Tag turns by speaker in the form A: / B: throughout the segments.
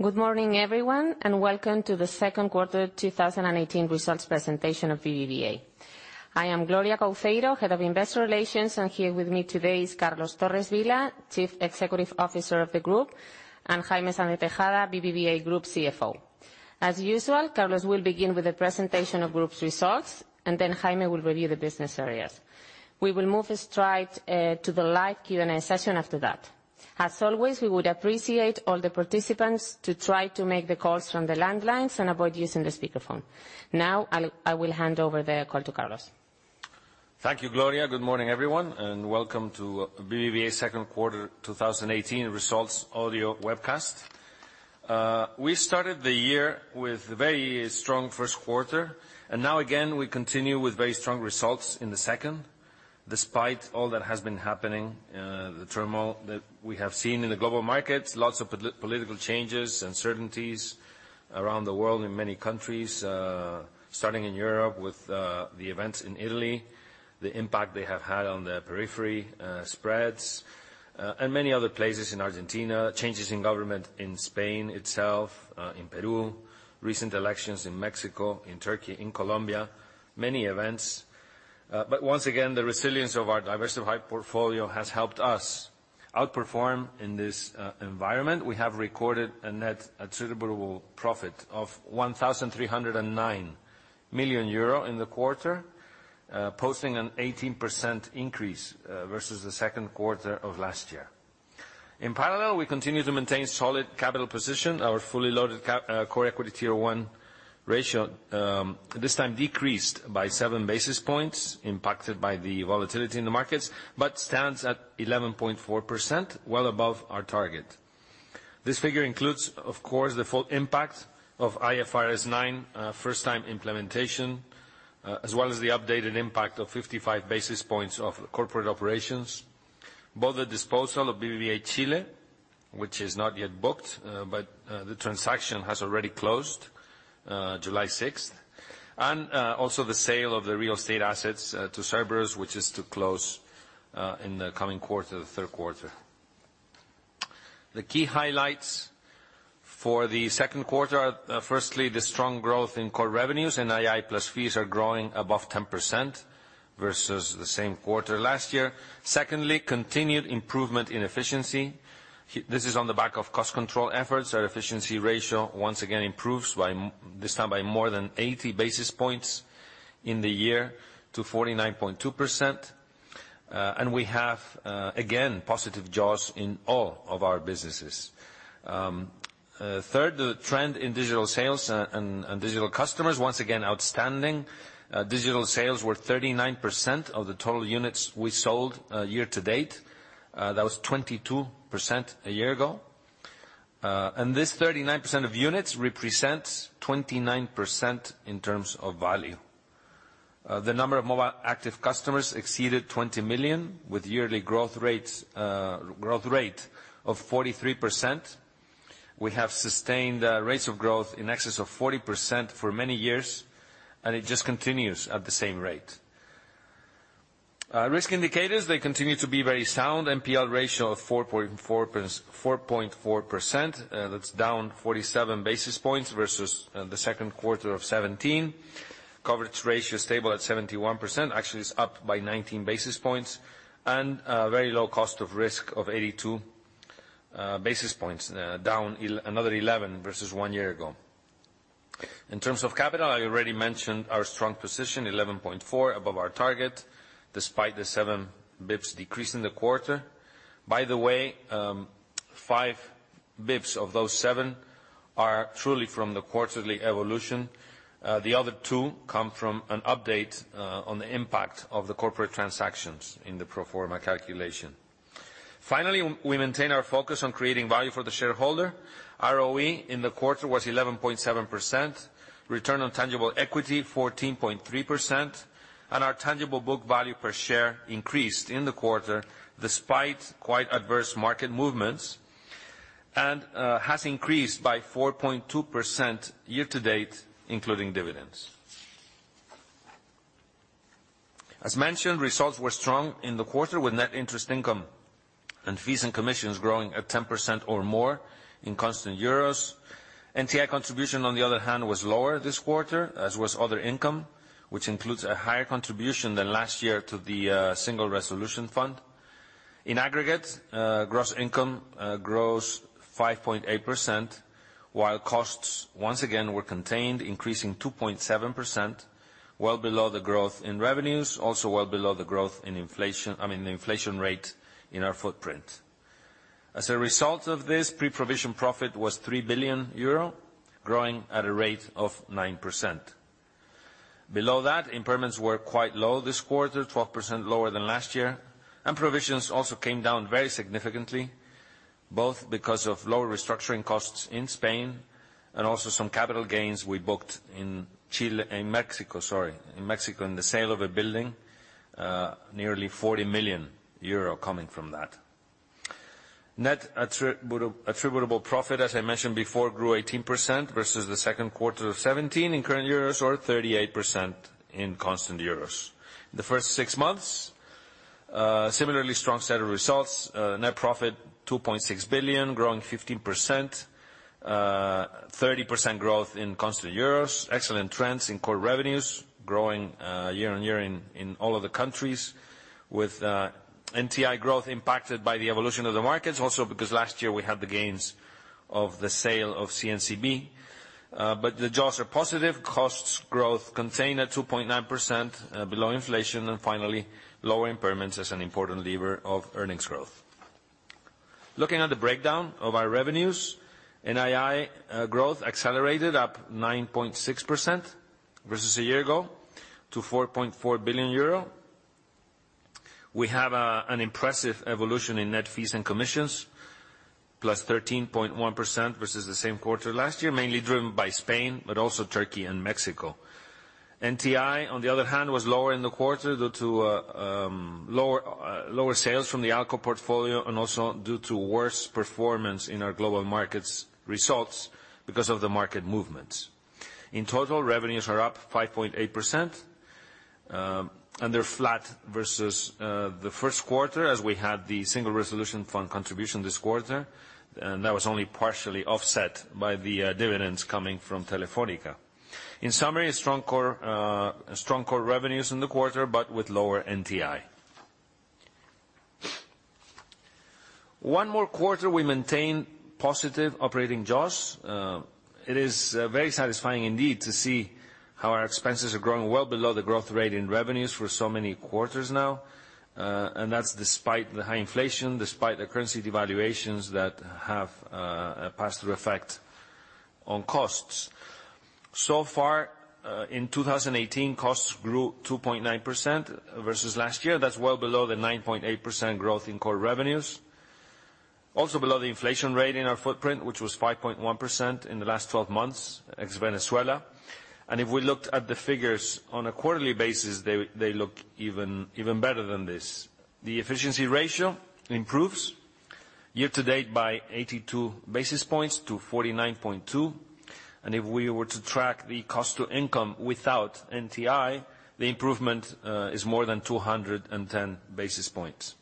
A: Good morning, everyone, and welcome to the second quarter 2018 results presentation of BBVA. I am Gloria Couceiro, Head of Investor Relations, and here with me today is Carlos Torres Vila, Chief Executive Officer of the Group, and Jaime Sáenz de Tejada, BBVA Group CFO. As usual, Carlos will begin with the presentation of Group's results. Jaime will review the business areas. We will move straight to the live Q&A session after that. As always, we would appreciate all the participants to try to make the calls from the landlines and avoid using the speakerphone. I will hand over the call to Carlos.
B: Thank you, Gloria. Good morning, everyone, and welcome to BBVA's second quarter 2018 results audio webcast. We started the year with a very strong first quarter. We continue with very strong results in the second, despite all that has been happening, the turmoil that we have seen in the global markets, lots of political changes, uncertainties around the world in many countries, starting in Europe with the events in Italy, the impact they have had on the periphery spreads, and many other places in Argentina, changes in government in Spain itself, in Peru, recent elections in Mexico, in Turkey, in Colombia. Many events. Once again, the resilience of our diversified portfolio has helped us outperform in this environment. We have recorded a net attributable profit of 1,309 million euro in the quarter, posting an 18% increase versus the second quarter of last year. In parallel, we continue to maintain solid capital position. Our fully loaded core equity Tier 1 ratio, this time decreased by seven basis points impacted by the volatility in the markets, but stands at 11.4%, well above our target. This figure includes, of course, the full impact of IFRS 9 first-time implementation, as well as the updated impact of 55 basis points of corporate operations. Both the disposal of BBVA Chile, which is not yet booked, but the transaction has already closed July 6th, and also the sale of the real estate assets to Cerberus, which is to close in the coming quarter, the third quarter. The key highlights for the second quarter are firstly, the strong growth in core revenues. NII plus fees are growing above 10% versus the same quarter last year. Secondly, continued improvement in efficiency. This is on the back of cost control efforts. Our efficiency ratio once again improves, this time by more than 80 basis points in the year to 49.2%. We have, again, positive jaws in all of our businesses. Third, the trend in digital sales and digital customers, once again, outstanding. Digital sales were 39% of the total units we sold year to date. That was 22% a year ago. This 39% of units represents 29% in terms of value. The number of mobile active customers exceeded 20 million, with yearly growth rate of 43%. We have sustained rates of growth in excess of 40% for many years, and it just continues at the same rate. Risk indicators, they continue to be very sound. NPL ratio of 4.4%. That's down 47 basis points versus the second quarter of 2017. Coverage ratio is stable at 71%. Actually, it's up by 19 basis points, a very low cost of risk of 82 basis points, down another 11 versus one year ago. In terms of capital, I already mentioned our strong position, 11.4 above our target, despite the 7 basis points decrease in the quarter. By the way, 5 basis points of those 7 are truly from the quarterly evolution. The other 2 come from an update on the impact of the corporate transactions in the pro forma calculation. Finally, we maintain our focus on creating value for the shareholder. ROE in the quarter was 11.7%. Return on tangible equity, 14.3%, and our tangible book value per share increased in the quarter despite quite adverse market movements, and has increased by 4.2% year to date, including dividends. As mentioned, results were strong in the quarter with net interest income and fees and commissions growing at 10% or more in constant euros. NTI contribution, on the other hand, was lower this quarter, as was other income, which includes a higher contribution than last year to the Single Resolution Fund. In aggregate, gross income grows 5.8%, while costs once again were contained, increasing 2.7%, well below the growth in revenues, also well below the growth in the inflation rate in our footprint. As a result of this, pre-provision profit was 3 billion euro, growing at a rate of 9%. Below that, impairments were quite low this quarter, 12% lower than last year. Provisions also came down very significantly, both because of lower restructuring costs in Spain, and also some capital gains we booked in Mexico. In Mexico in the sale of a building, nearly 40 million euro coming from that. Net attributable profit, as I mentioned before, grew 18% versus the second quarter of 2017 in current euros or 38% in constant euros. In the first six months, a similarly strong set of results. Net profit 2.6 billion, growing 15%, 30% growth in constant euros. Excellent trends in core revenues, growing year-on-year in all of the countries with NTI growth impacted by the evolution of the markets. Also because last year we had the gains of the sale of CNCB. The jaws are positive, costs growth contained at 2.9% below inflation, and finally, low impairments as an important lever of earnings growth. Looking at the breakdown of our revenues, NII growth accelerated up 9.6% versus a year ago to 4.4 billion euro. We have an impressive evolution in net fees and commissions, +13.1% versus the same quarter last year, mainly driven by Spain, but also Turkey and Mexico. NTI, on the other hand, was lower in the quarter due to lower sales from the ALCO portfolio and also due to worse performance in our global markets results because of the market movements. In total, revenues are up 5.8%, and they're flat versus the first quarter as we had the Single Resolution Fund contribution this quarter, and that was only partially offset by the dividends coming from Telefónica. In summary, strong core revenues in the quarter, but with lower NTI. One more quarter, we maintain positive operating jaws. It is very satisfying indeed to see how our expenses are growing well below the growth rate in revenues for so many quarters now. That's despite the high inflation, despite the currency devaluations that have a pass-through effect on costs. So far, in 2018, costs grew 2.9% versus last year. That's well below the 9.8% growth in core revenues. Also below the inflation rate in our footprint, which was 5.1% in the last 12 months, ex Venezuela. If we looked at the figures on a quarterly basis, they look even better than this. The efficiency ratio improves year-to-date by 82 basis points to 49.2. If we were to track the cost to income without NTI, the improvement is more than 210 basis points.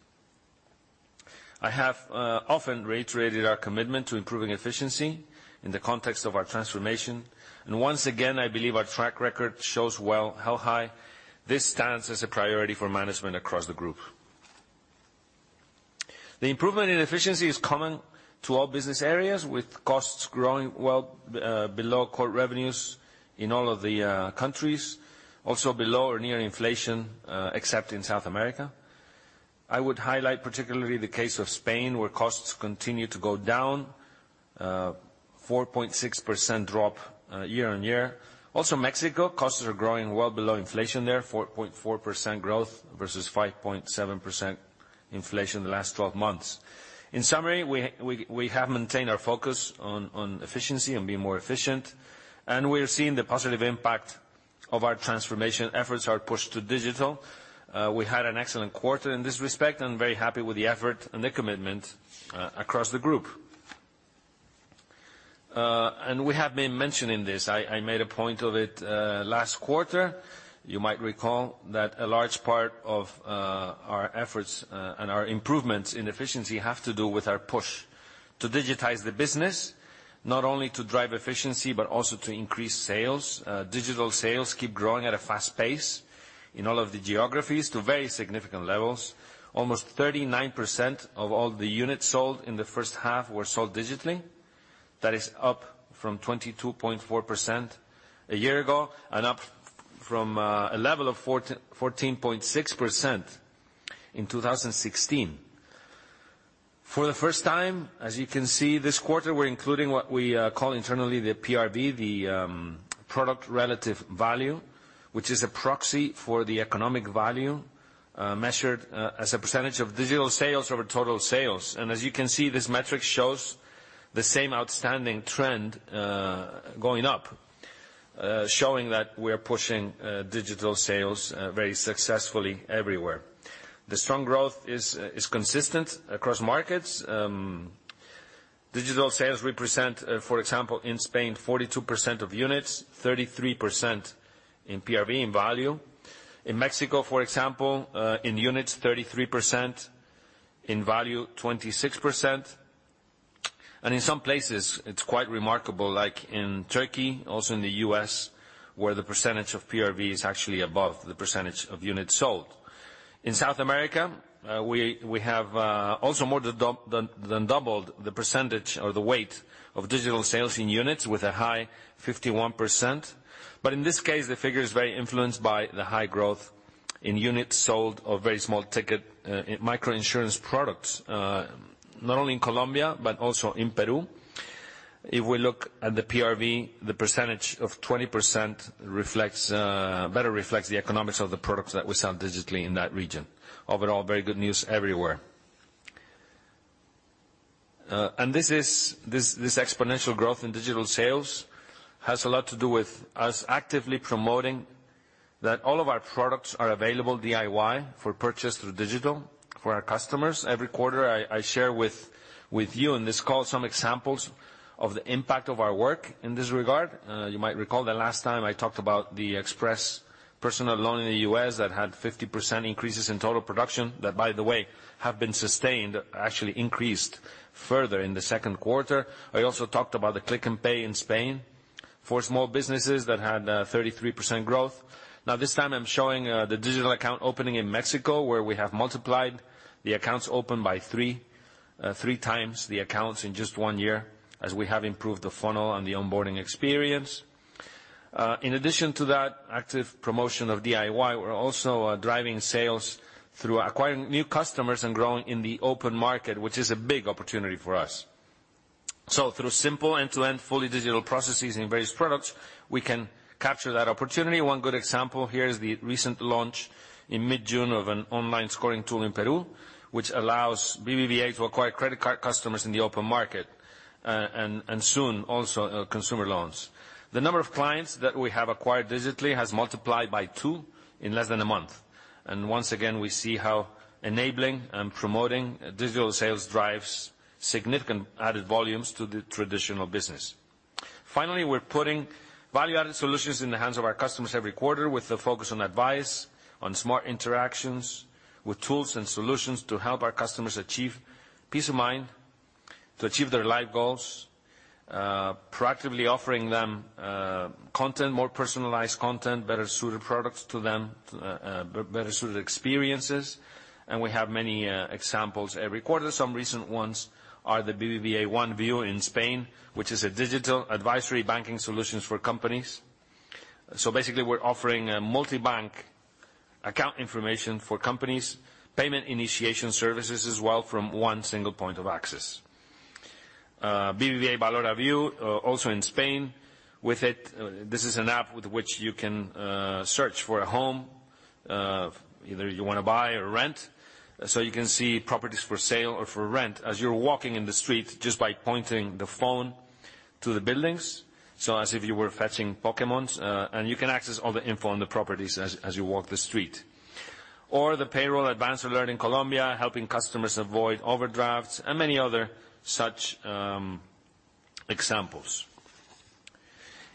B: I have often reiterated our commitment to improving efficiency in the context of our transformation, and once again, I believe our track record shows well how high this stands as a priority for management across the group. The improvement in efficiency is common to all business areas, with costs growing well below core revenues in all of the countries, also below or near inflation, except in South America. I would highlight particularly the case of Spain, where costs continue to go down, 4.6% drop year-on-year. Also Mexico, costs are growing well below inflation there, 4.4% growth versus 5.7% inflation in the last 12 months. In summary, we have maintained our focus on efficiency and being more efficient, and we are seeing the positive impact of our transformation efforts, our push to digital. We had an excellent quarter in this respect. I'm very happy with the effort and the commitment across the group. We have been mentioning this. I made a point of it last quarter. You might recall that a large part of our efforts and our improvements in efficiency have to do with our push to digitize the business, not only to drive efficiency, but also to increase sales. Digital sales keep growing at a fast pace in all of the geographies to very significant levels. Almost 39% of all the units sold in the first half were sold digitally. That is up from 22.4% a year ago and up from a level of 14.6% in 2016. For the first time, as you can see, this quarter we're including what we call internally the PRV, the product relative value, which is a proxy for the economic value measured as a percentage of digital sales over total sales. As you can see, this metric shows the same outstanding trend going up, showing that we're pushing digital sales very successfully everywhere. The strong growth is consistent across markets. Digital sales represent, for example, in Spain, 42% of units, 33% in PRV in value. In Mexico, for example, in units 33%, in value 26%. In some places, it's quite remarkable, like in Turkey, also in the U.S., where the percentage of PRV is actually above the percentage of units sold. In South America, we have also more than doubled the percentage or the weight of digital sales in units with a high 51%. In this case, the figure is very influenced by the high growth in units sold of very small ticket microinsurance products, not only in Colombia but also in Peru. If we look at the PRV, the percentage of 20% better reflects the economics of the products that we sell digitally in that region. Overall, very good news everywhere. This exponential growth in digital sales has a lot to do with us actively promoting that all of our products are available DIY for purchase through digital. For our customers every quarter, I share with you on this call some examples of the impact of our work in this regard. You might recall that last time I talked about the express personal loan in the U.S. that had 50% increases in total production, that, by the way, have been sustained, actually increased further in the second quarter. I also talked about the Click & Pay in Spain for small businesses that had 33% growth. This time I'm showing the digital account opening in Mexico, where we have multiplied the accounts opened by three times the accounts in just one year, as we have improved the funnel and the onboarding experience. In addition to that active promotion of DIY, we're also driving sales through acquiring new customers and growing in the open market, which is a big opportunity for us. Through simple end-to-end fully digital processes in various products, we can capture that opportunity. One good example here is the recent launch in mid-June of an online scoring tool in Peru, which allows BBVA to acquire credit card customers in the open market, and soon, also consumer loans. The number of clients that we have acquired digitally has multiplied by two in less than a month. Once again, we see how enabling and promoting digital sales drives significant added volumes to the traditional business. Finally, we're putting value-added solutions in the hands of our customers every quarter with a focus on advice, on smart interactions, with tools and solutions to help our customers achieve peace of mind, to achieve their life goals, proactively offering them more personalized content, better suited products to them, better suited experiences, and we have many examples every quarter. Some recent ones are the BBVA One View in Spain, which is a digital advisory banking solutions for companies. Basically, we're offering a multibank account information for companies, payment initiation services as well from one single point of access. BBVA Valora View, also in Spain. This is an app with which you can search for a home, either you want to buy or rent. You can see properties for sale or for rent as you're walking in the street just by pointing the phone to the buildings, as if you were fetching Pokémon, and you can access all the info on the properties as you walk the street. Or the Payroll Advance Alert in Colombia, helping customers avoid overdrafts, and many other such examples.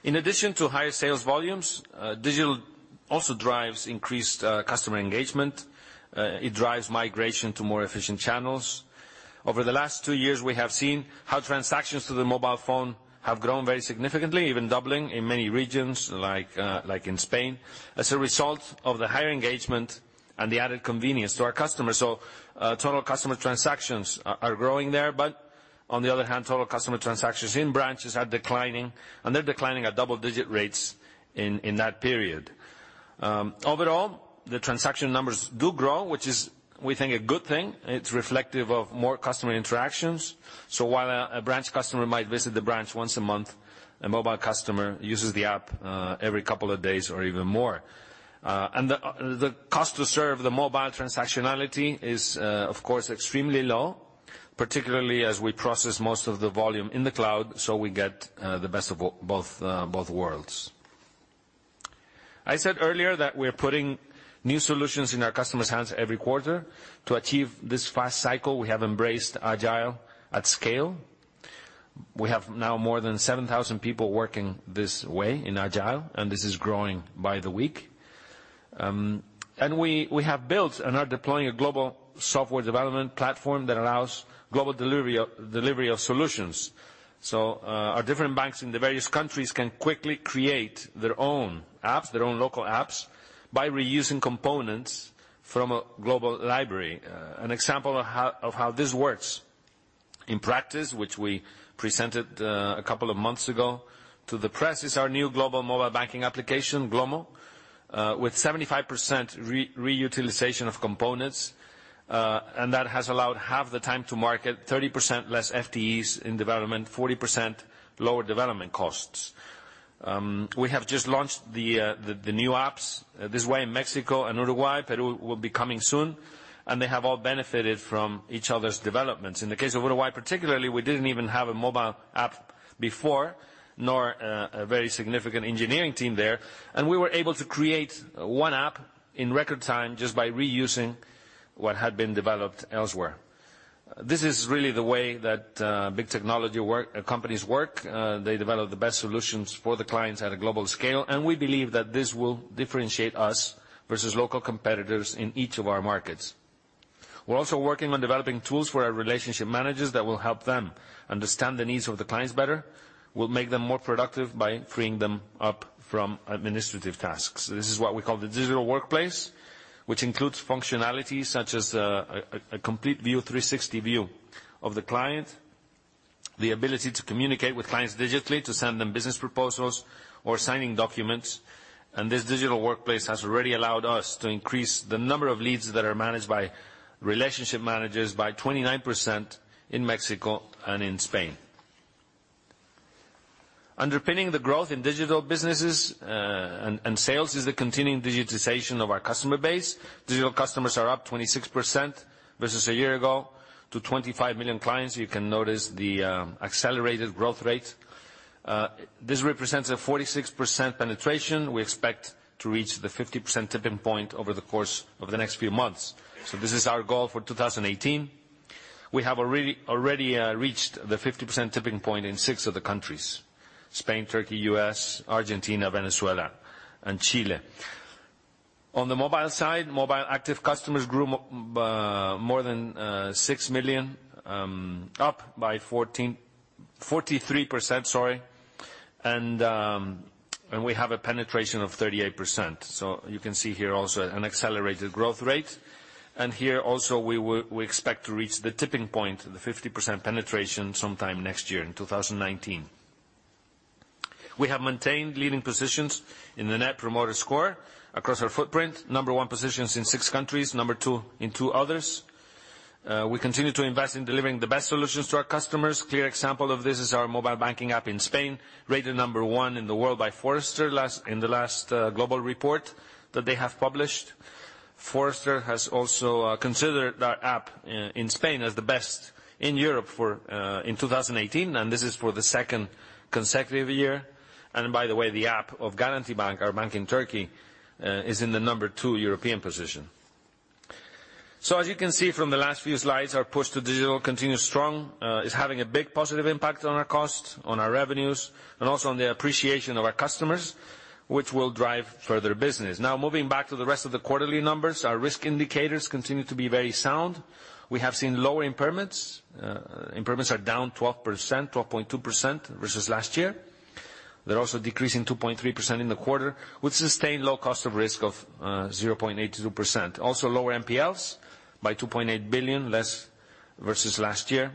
B: In addition to higher sales volumes, digital also drives increased customer engagement. It drives migration to more efficient channels. Over the last two years, we have seen how transactions through the mobile phone have grown very significantly, even doubling in many regions like in Spain, as a result of the higher engagement and the added convenience to our customers. Total customer transactions are growing there. On the other hand, total customer transactions in branches are declining, and they're declining at double-digit rates in that period. Overall, the transaction numbers do grow, which is, we think, a good thing. It's reflective of more customer interactions. While a branch customer might visit the branch once a month, a mobile customer uses the app every couple of days or even more. The cost to serve the mobile transactionality is, of course, extremely low, particularly as we process most of the volume in the cloud, so we get the best of both worlds. I said earlier that we're putting new solutions in our customers' hands every quarter. To achieve this fast cycle, we have embraced agile at scale. We have now more than 7,000 people working this way in agile, and this is growing by the week. We have built and are deploying a global software development platform that allows global delivery of solutions. Our different banks in the various countries can quickly create their own local apps by reusing components from a global library. An example of how this works in practice, which we presented a couple of months ago to the press, is our new global mobile banking application, GloMo, with 75% reutilization of components. That has allowed half the time to market, 30% less FTEs in development, 40% lower development costs. We have just launched the new apps this way in Mexico and Uruguay. Peru will be coming soon. They have all benefited from each other's developments. In the case of Uruguay particularly, we didn't even have a mobile app before, nor a very significant engineering team there, and we were able to create one app in record time just by reusing what had been developed elsewhere. This is really the way that big technology companies work. They develop the best solutions for the clients at a global scale. We believe that this will differentiate us versus local competitors in each of our markets. We're also working on developing tools for our relationship managers that will help them understand the needs of the clients better, will make them more productive by freeing them up from administrative tasks. This is what we call the digital workplace, which includes functionality such as a complete 360 view of the client, the ability to communicate with clients digitally, to send them business proposals or signing documents. This digital workplace has already allowed us to increase the number of leads that are managed by relationship managers by 29% in Mexico and in Spain. Underpinning the growth in digital businesses and sales is the continuing digitization of our customer base. Digital customers are up 26% versus a year ago. To 25 million clients. You can notice the accelerated growth rate. This represents a 46% penetration. We expect to reach the 50% tipping point over the course of the next few months. This is our goal for 2018. We have already reached the 50% tipping point in six of the countries, Spain, Turkey, U.S., Argentina, Venezuela, and Chile. On the mobile side, mobile active customers grew more than 6 million, up by 43%. We have a penetration of 38%. You can see here also an accelerated growth rate. Here also, we expect to reach the tipping point, the 50% penetration sometime next year in 2019. We have maintained leading positions in the Net Promoter Score across our footprint, number one positions in six countries, number two in two others. We continue to invest in delivering the best solutions to our customers. Clear example of this is our mobile banking app in Spain, rated number one in the world by Forrester in the last global report that they have published. Forrester has also considered our app in Spain as the best in Europe in 2018, and this is for the second consecutive year. By the way, the app of Garanti Bank, our bank in Turkey, is in the number two European position. As you can see from the last few slides, our push to digital continues strong. It's having a big positive impact on our costs, on our revenues, and also on the appreciation of our customers, which will drive further business. Moving back to the rest of the quarterly numbers, our risk indicators continue to be very sound. We have seen lower impairments. Impairments are down 12.2% versus last year. They're also decreasing 2.3% in the quarter, with sustained low cost of risk of 0.82%. Also lower NPLs by 2.8 billion less versus last year.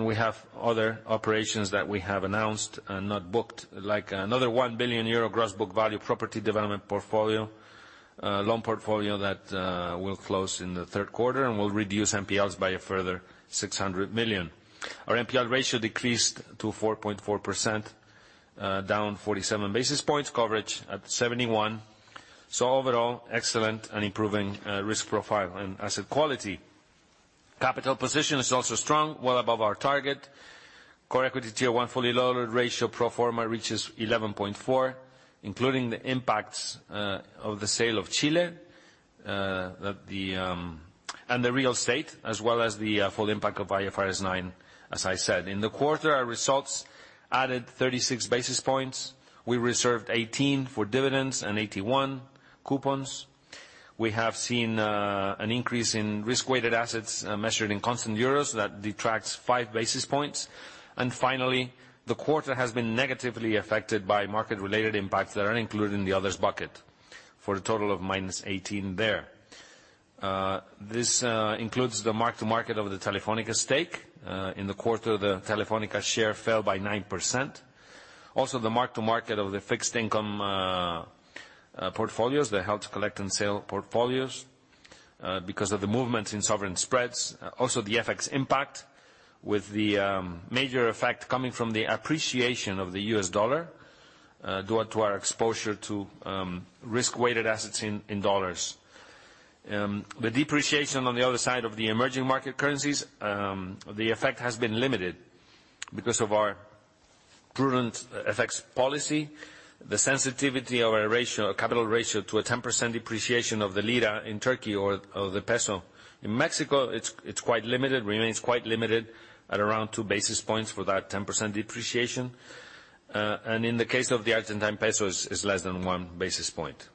B: We have other operations that we have announced and not booked, like another 1 billion euro gross book value property development portfolio, loan portfolio that will close in the third quarter and will reduce NPLs by a further 600 million. Our NPL ratio decreased to 4.4%, down 47 basis points. Coverage at 71%. Overall, excellent and improving risk profile and asset quality. Capital position is also strong, well above our target. Core equity Tier 1 fully loaded ratio pro forma reaches 11.4%, including the impacts of the sale of Chile, and the real estate, as well as the full impact of IFRS 9, as I said. In the quarter, our results added 36 basis points. We reserved 18 basis points for dividends and 81 basis points for coupons. We have seen an increase in risk-weighted assets measured in constant EUR. That detracts 5 basis points. Finally, the quarter has been negatively affected by market-related impacts that are included in the others bucket for a total of -18 basis points there. This includes the mark to market of the Telefónica stake. In the quarter, the Telefónica share fell by 9%. Also, the mark to market of the fixed income portfolios, the held-to-collect and sale portfolios, because of the movement in sovereign spreads. Also the FX impact, with the major effect coming from the appreciation of the US dollar due to our exposure to risk-weighted assets in $. The depreciation on the other side of the emerging market currencies, the effect has been limited because of our prudent FX policy. The sensitivity of our capital ratio to a 10% depreciation of the TRY in Turkey or of the MXN in Mexico, remains quite limited at around 2 basis points for that 10% depreciation. In the case of the Argentine pesos, is less than 1 basis point.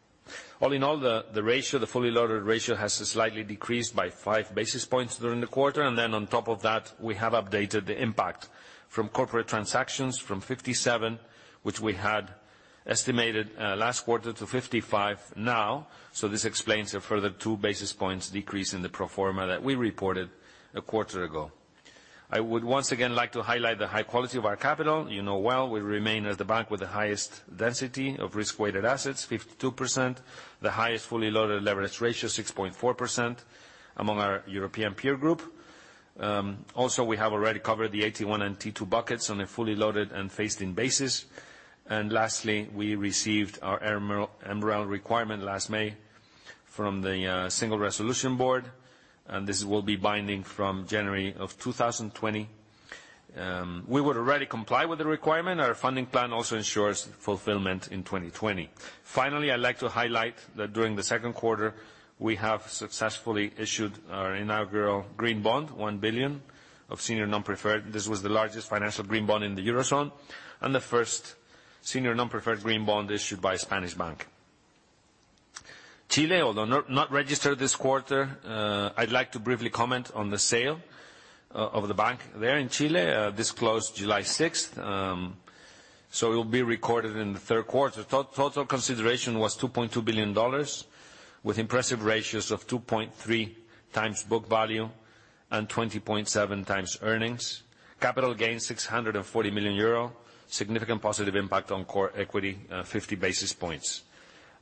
B: All in all, the fully loaded ratio has slightly decreased by 5 basis points during the quarter. Then on top of that, we have updated the impact from corporate transactions from 57 basis points, which we had estimated last quarter, to 55 basis points now. This explains a further 2 basis points decrease in the pro forma that we reported a quarter ago. I would once again like to highlight the high quality of our capital. You know well we remain as the bank with the highest density of risk-weighted assets, 52%, the highest fully loaded leverage ratio, 6.4%, among our European peer group. Also, we have already covered the AT1 and T2 buckets on a fully loaded and phased-in basis. Lastly, we received our MREL requirement last May from the Single Resolution Board, and this will be binding from January of 2020. We would already comply with the requirement. Our funding plan also ensures fulfillment in 2020. Finally, I'd like to highlight that during the second quarter, we have successfully issued our inaugural green bond, 1 billion of senior non-preferred. This was the largest financial green bond in the eurozone and the first senior non-preferred green bond issued by a Spanish bank. Chile, although not registered this quarter, I'd like to briefly comment on the sale of the bank there in Chile. This closed July 6th, so it will be recorded in the third quarter. Total consideration was $2.2 billion with impressive ratios of 2.3 times book value and 20.7 times earnings. Capital gains 640 million euro. Significant positive impact on core equity, 50 basis points.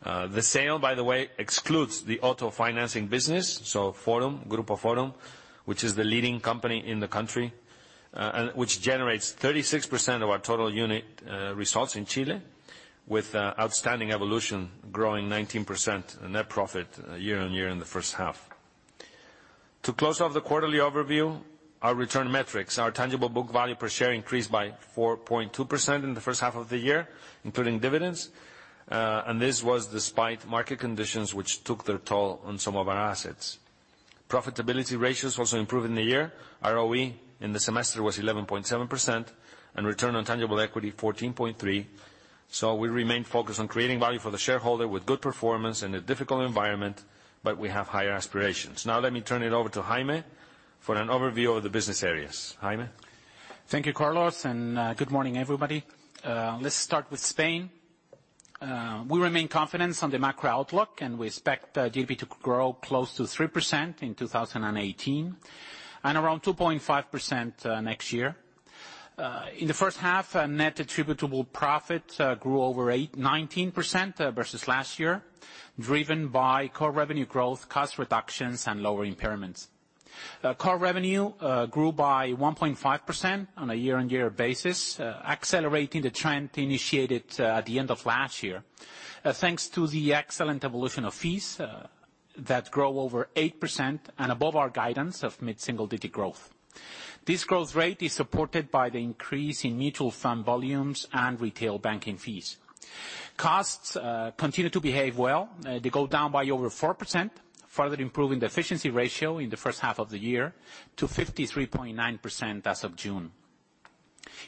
B: The sale, by the way, excludes the auto financing business, so Grupo Forum, which is the leading company in the country, and which generates 36% of our total unit results in Chile with outstanding evolution, growing 19% net profit year-on-year in the first half. To close off the quarterly overview, our return metrics. Our tangible book value per share increased by 4.2% in the first half of the year, including dividends. This was despite market conditions, which took their toll on some of our assets. Profitability ratios also improved in the year. ROE in the semester was 11.7%, and return on tangible equity 14.3%. We remain focused on creating value for the shareholder with good performance in a difficult environment, but we have higher aspirations. Now let me turn it over to Jaime for an overview of the business areas. Jaime?
C: Thank you, Carlos, and good morning, everybody. Let's start with Spain. We remain confident on the macro outlook, and we expect GDP to grow close to 3% in 2018, and around 2.5% next year. In the first half, net attributable profit grew over 19% versus last year, driven by core revenue growth, cost reductions, and lower impairments. Core revenue grew by 1.5% on a year-on-year basis, accelerating the trend initiated at the end of last year, thanks to the excellent evolution of fees that grow over 8% and above our guidance of mid-single digit growth. This growth rate is supported by the increase in mutual fund volumes and retail banking fees. Costs continue to behave well. They go down by over 4%, further improving the efficiency ratio in the first half of the year to 53.9% as of June.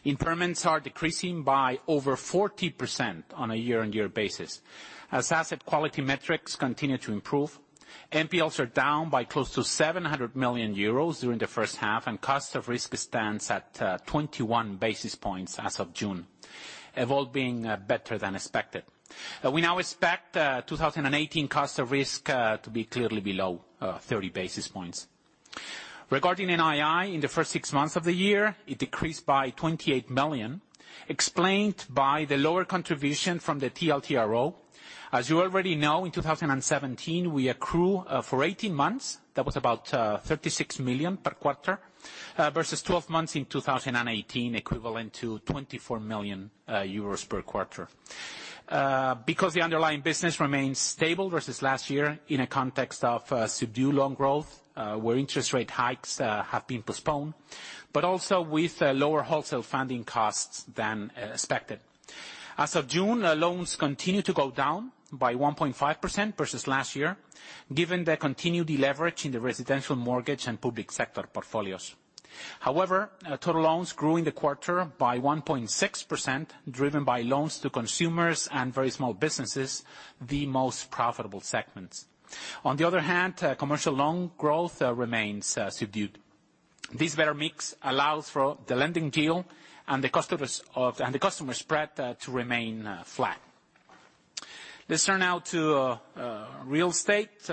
C: Impairments are decreasing by over 40% on a year-on-year basis. As asset quality metrics continue to improve, NPLs are down by close to 700 million euros during the first half, and cost of risk stands at 21 basis points as of June, evolving better than expected. We now expect 2018 cost of risk to be clearly below 30 basis points. Regarding NII, in the first six months of the year, it decreased by 28 million, explained by the lower contribution from the TLTRO. As you already know, in 2017, we accrue for 18 months. That was about 36 million per quarter, versus 12 months in 2018, equivalent to 24 million euros per quarter. The underlying business remains stable versus last year in a context of subdued loan growth, where interest rate hikes have been postponed, but also with lower wholesale funding costs than expected. As of June, loans continue to go down by 1.5% versus last year, given the continued deleverage in the residential mortgage and public sector portfolios. Total loans grew in the quarter by 1.6%, driven by loans to consumers and very small businesses, the most profitable segments. On the other hand, commercial loan growth remains subdued. This better mix allows for the lending deal and the customer spread to remain flat. Let's turn now to real estate.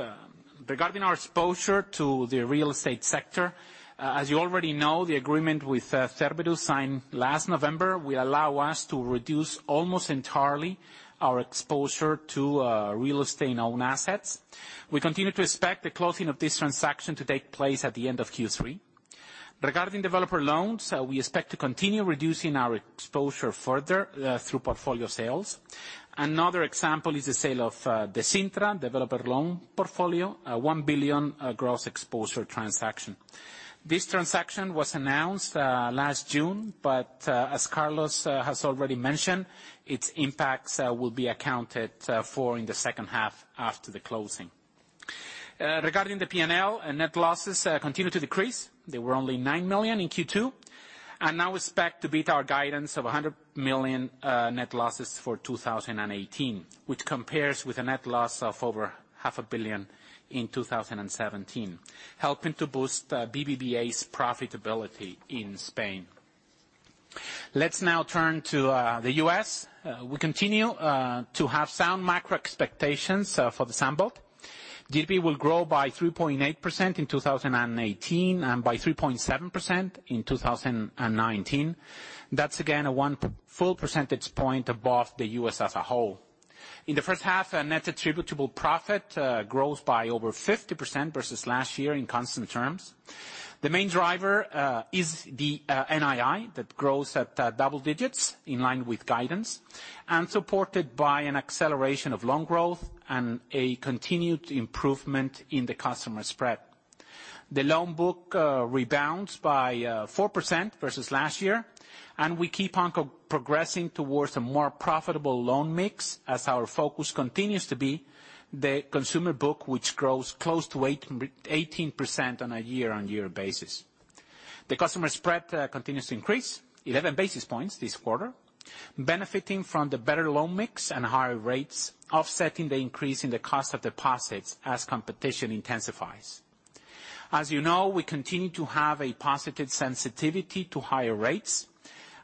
C: Regarding our exposure to the real estate sector, as you already know, the agreement with Cerberus signed last November will allow us to reduce almost entirely our exposure to real estate in own assets. We continue to expect the closing of this transaction to take place at the end of Q3. Regarding developer loans, we expect to continue reducing our exposure further through portfolio sales. Another example is the sale of Descentra developer loan portfolio, a 1 billion gross exposure transaction. This transaction was announced last June, but as Carlos has already mentioned, its impacts will be accounted for in the second half after the closing. Regarding the P&L, net losses continue to decrease. They were only 9 million in Q2, and now expect to beat our guidance of 100 million net losses for 2018, which compares with a net loss of over half a billion EUR in 2017, helping to boost BBVA's profitability in Spain. Let's now turn to the U.S. We continue to have sound macro expectations for the Sunbelt. GDP will grow by 3.8% in 2018 and by 3.7% in 2019. That's again a one full percentage point above the U.S. as a whole. In the first half, net attributable profit grows by over 50% versus last year in constant terms. The main driver is the NII that grows at double digits in line with guidance and supported by an acceleration of loan growth and a continued improvement in the customer spread. The loan book rebounds by 4% versus last year, and we keep on progressing towards a more profitable loan mix as our focus continues to be the consumer book, which grows close to 18% on a year-on-year basis. The customer spread continues to increase 11 basis points this quarter, benefiting from the better loan mix and higher rates, offsetting the increase in the cost of deposits as competition intensifies. As you know, we continue to have a positive sensitivity to higher rates,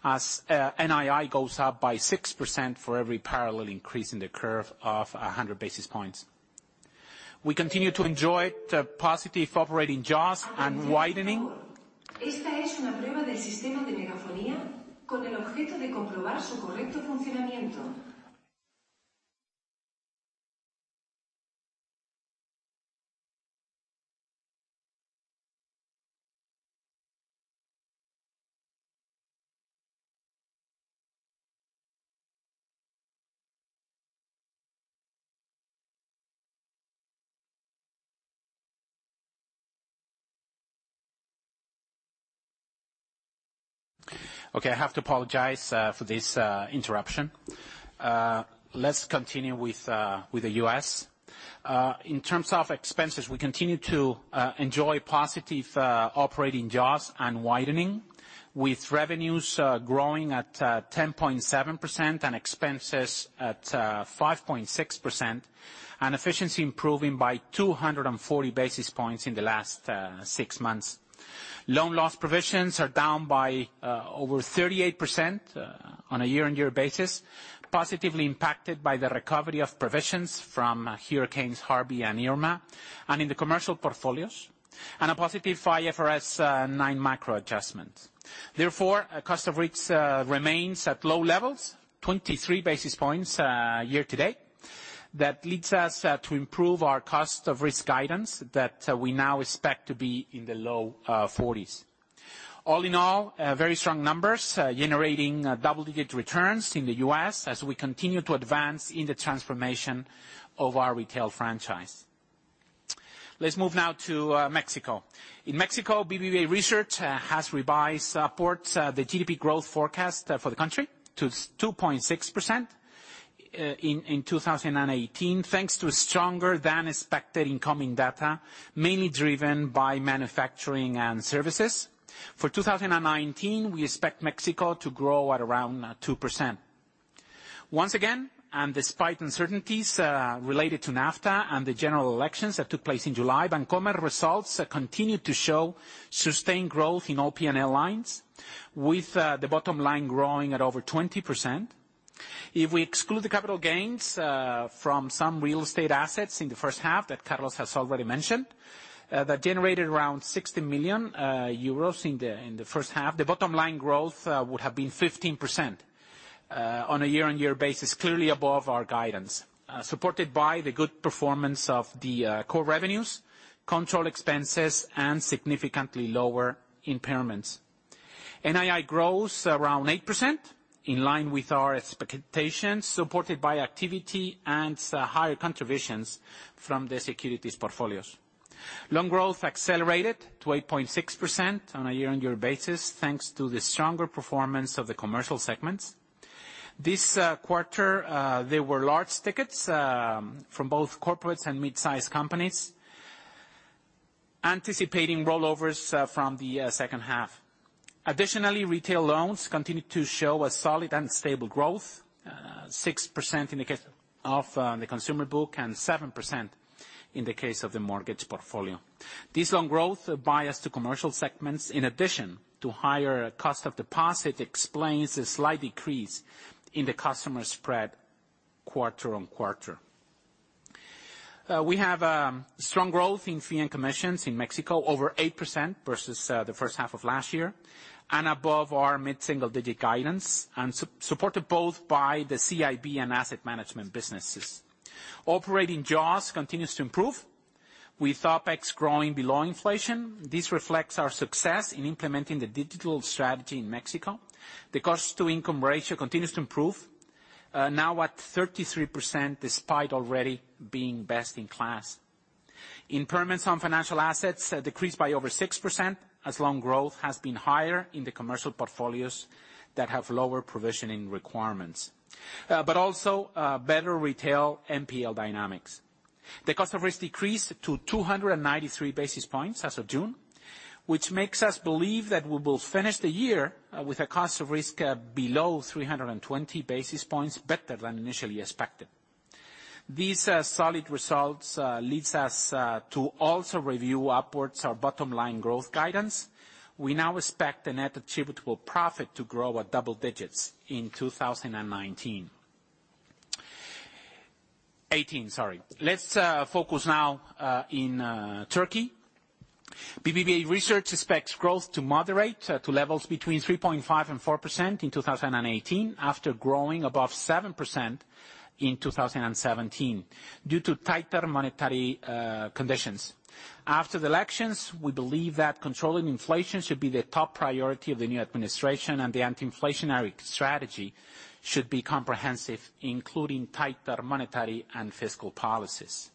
C: as NII goes up by 6% for every parallel increase in the curve of 100 basis points. We continue to enjoy positive operating jaws and widening. Okay, I have to apologize for this interruption. Let's continue with the U.S. In terms of expenses, we continue to enjoy positive operating jaws and widening, with revenues growing at 10.7% and expenses at 5.6%, and efficiency improving by 240 basis points in the last 6 months. Loan loss provisions are down by over 38% on a year-on-year basis, positively impacted by the recovery of provisions from hurricanes Harvey and Irma, and in the commercial portfolios, and a positive IFRS 9 micro adjustments. Therefore, cost of risk remains at low levels, 23 basis points year to date. That leads us to improve our cost of risk guidance that we now expect to be in the low 40s. All in all, very strong numbers, generating double-digit returns in the U.S. as we continue to advance in the transformation of our retail franchise. Let's move now to Mexico. In Mexico, BBVA Research has revised upwards the GDP growth forecast for the country to 2.6% in 2018, thanks to stronger than expected incoming data, mainly driven by manufacturing and services. For 2019, we expect Mexico to grow at around 2%. Once again, and despite uncertainties related to NAFTA and the general elections that took place in July, Bancomer results continue to show sustained growth in all P&L lines, with the bottom line growing at over 20%. If we exclude the capital gains from some real estate assets in the first half, that Carlos has already mentioned, that generated around 60 million euros in the first half, the bottom line growth would have been 15% on a year-on-year basis, clearly above our guidance, supported by the good performance of the core revenues, control expenses, and significantly lower impairments. NII grows around 8%, in line with our expectations, supported by activity and higher contributions from the securities portfolios. Loan growth accelerated to 8.6% on a year-on-year basis, thanks to the stronger performance of the commercial segments. This quarter, there were large tickets from both corporates and mid-size companies, anticipating rollovers from the second half. Additionally, retail loans continued to show a solid and stable growth, 6% in the case of the consumer book, and 7% in the case of the mortgage portfolio. This loan growth bias to commercial segments, in addition to higher cost of deposit, explains the slight decrease in the customer spread quarter on quarter. We have strong growth in fee and commissions in Mexico, over 8% versus the first half of last year, and above our mid-single digit guidance, and supported both by the CIB and asset management businesses. Operating jaws continues to improve, with OpEx growing below inflation. This reflects our success in implementing the digital strategy in Mexico. The cost-to-income ratio continues to improve, now at 33%, despite already being best in class. Impairments on financial assets decreased by over 6%, as loan growth has been higher in the commercial portfolios that have lower provisioning requirements, but also better retail NPL dynamics. The cost of risk decreased to 293 basis points as of June, which makes us believe that we will finish the year with a cost of risk below 320 basis points, better than initially expected. These solid results leads us to also review upwards our bottom line growth guidance. We now expect the net attributable profit to grow at double digits in 2018. Let's focus now in Turkey. BBVA Research expects growth to moderate to levels between 3.5% and 4% in 2018, after growing above 7% in 2017, due to tighter monetary conditions. After the elections, we believe that controlling inflation should be the top priority of the new administration, and the anti-inflationary strategy should be comprehensive, including tighter monetary and fiscal policies.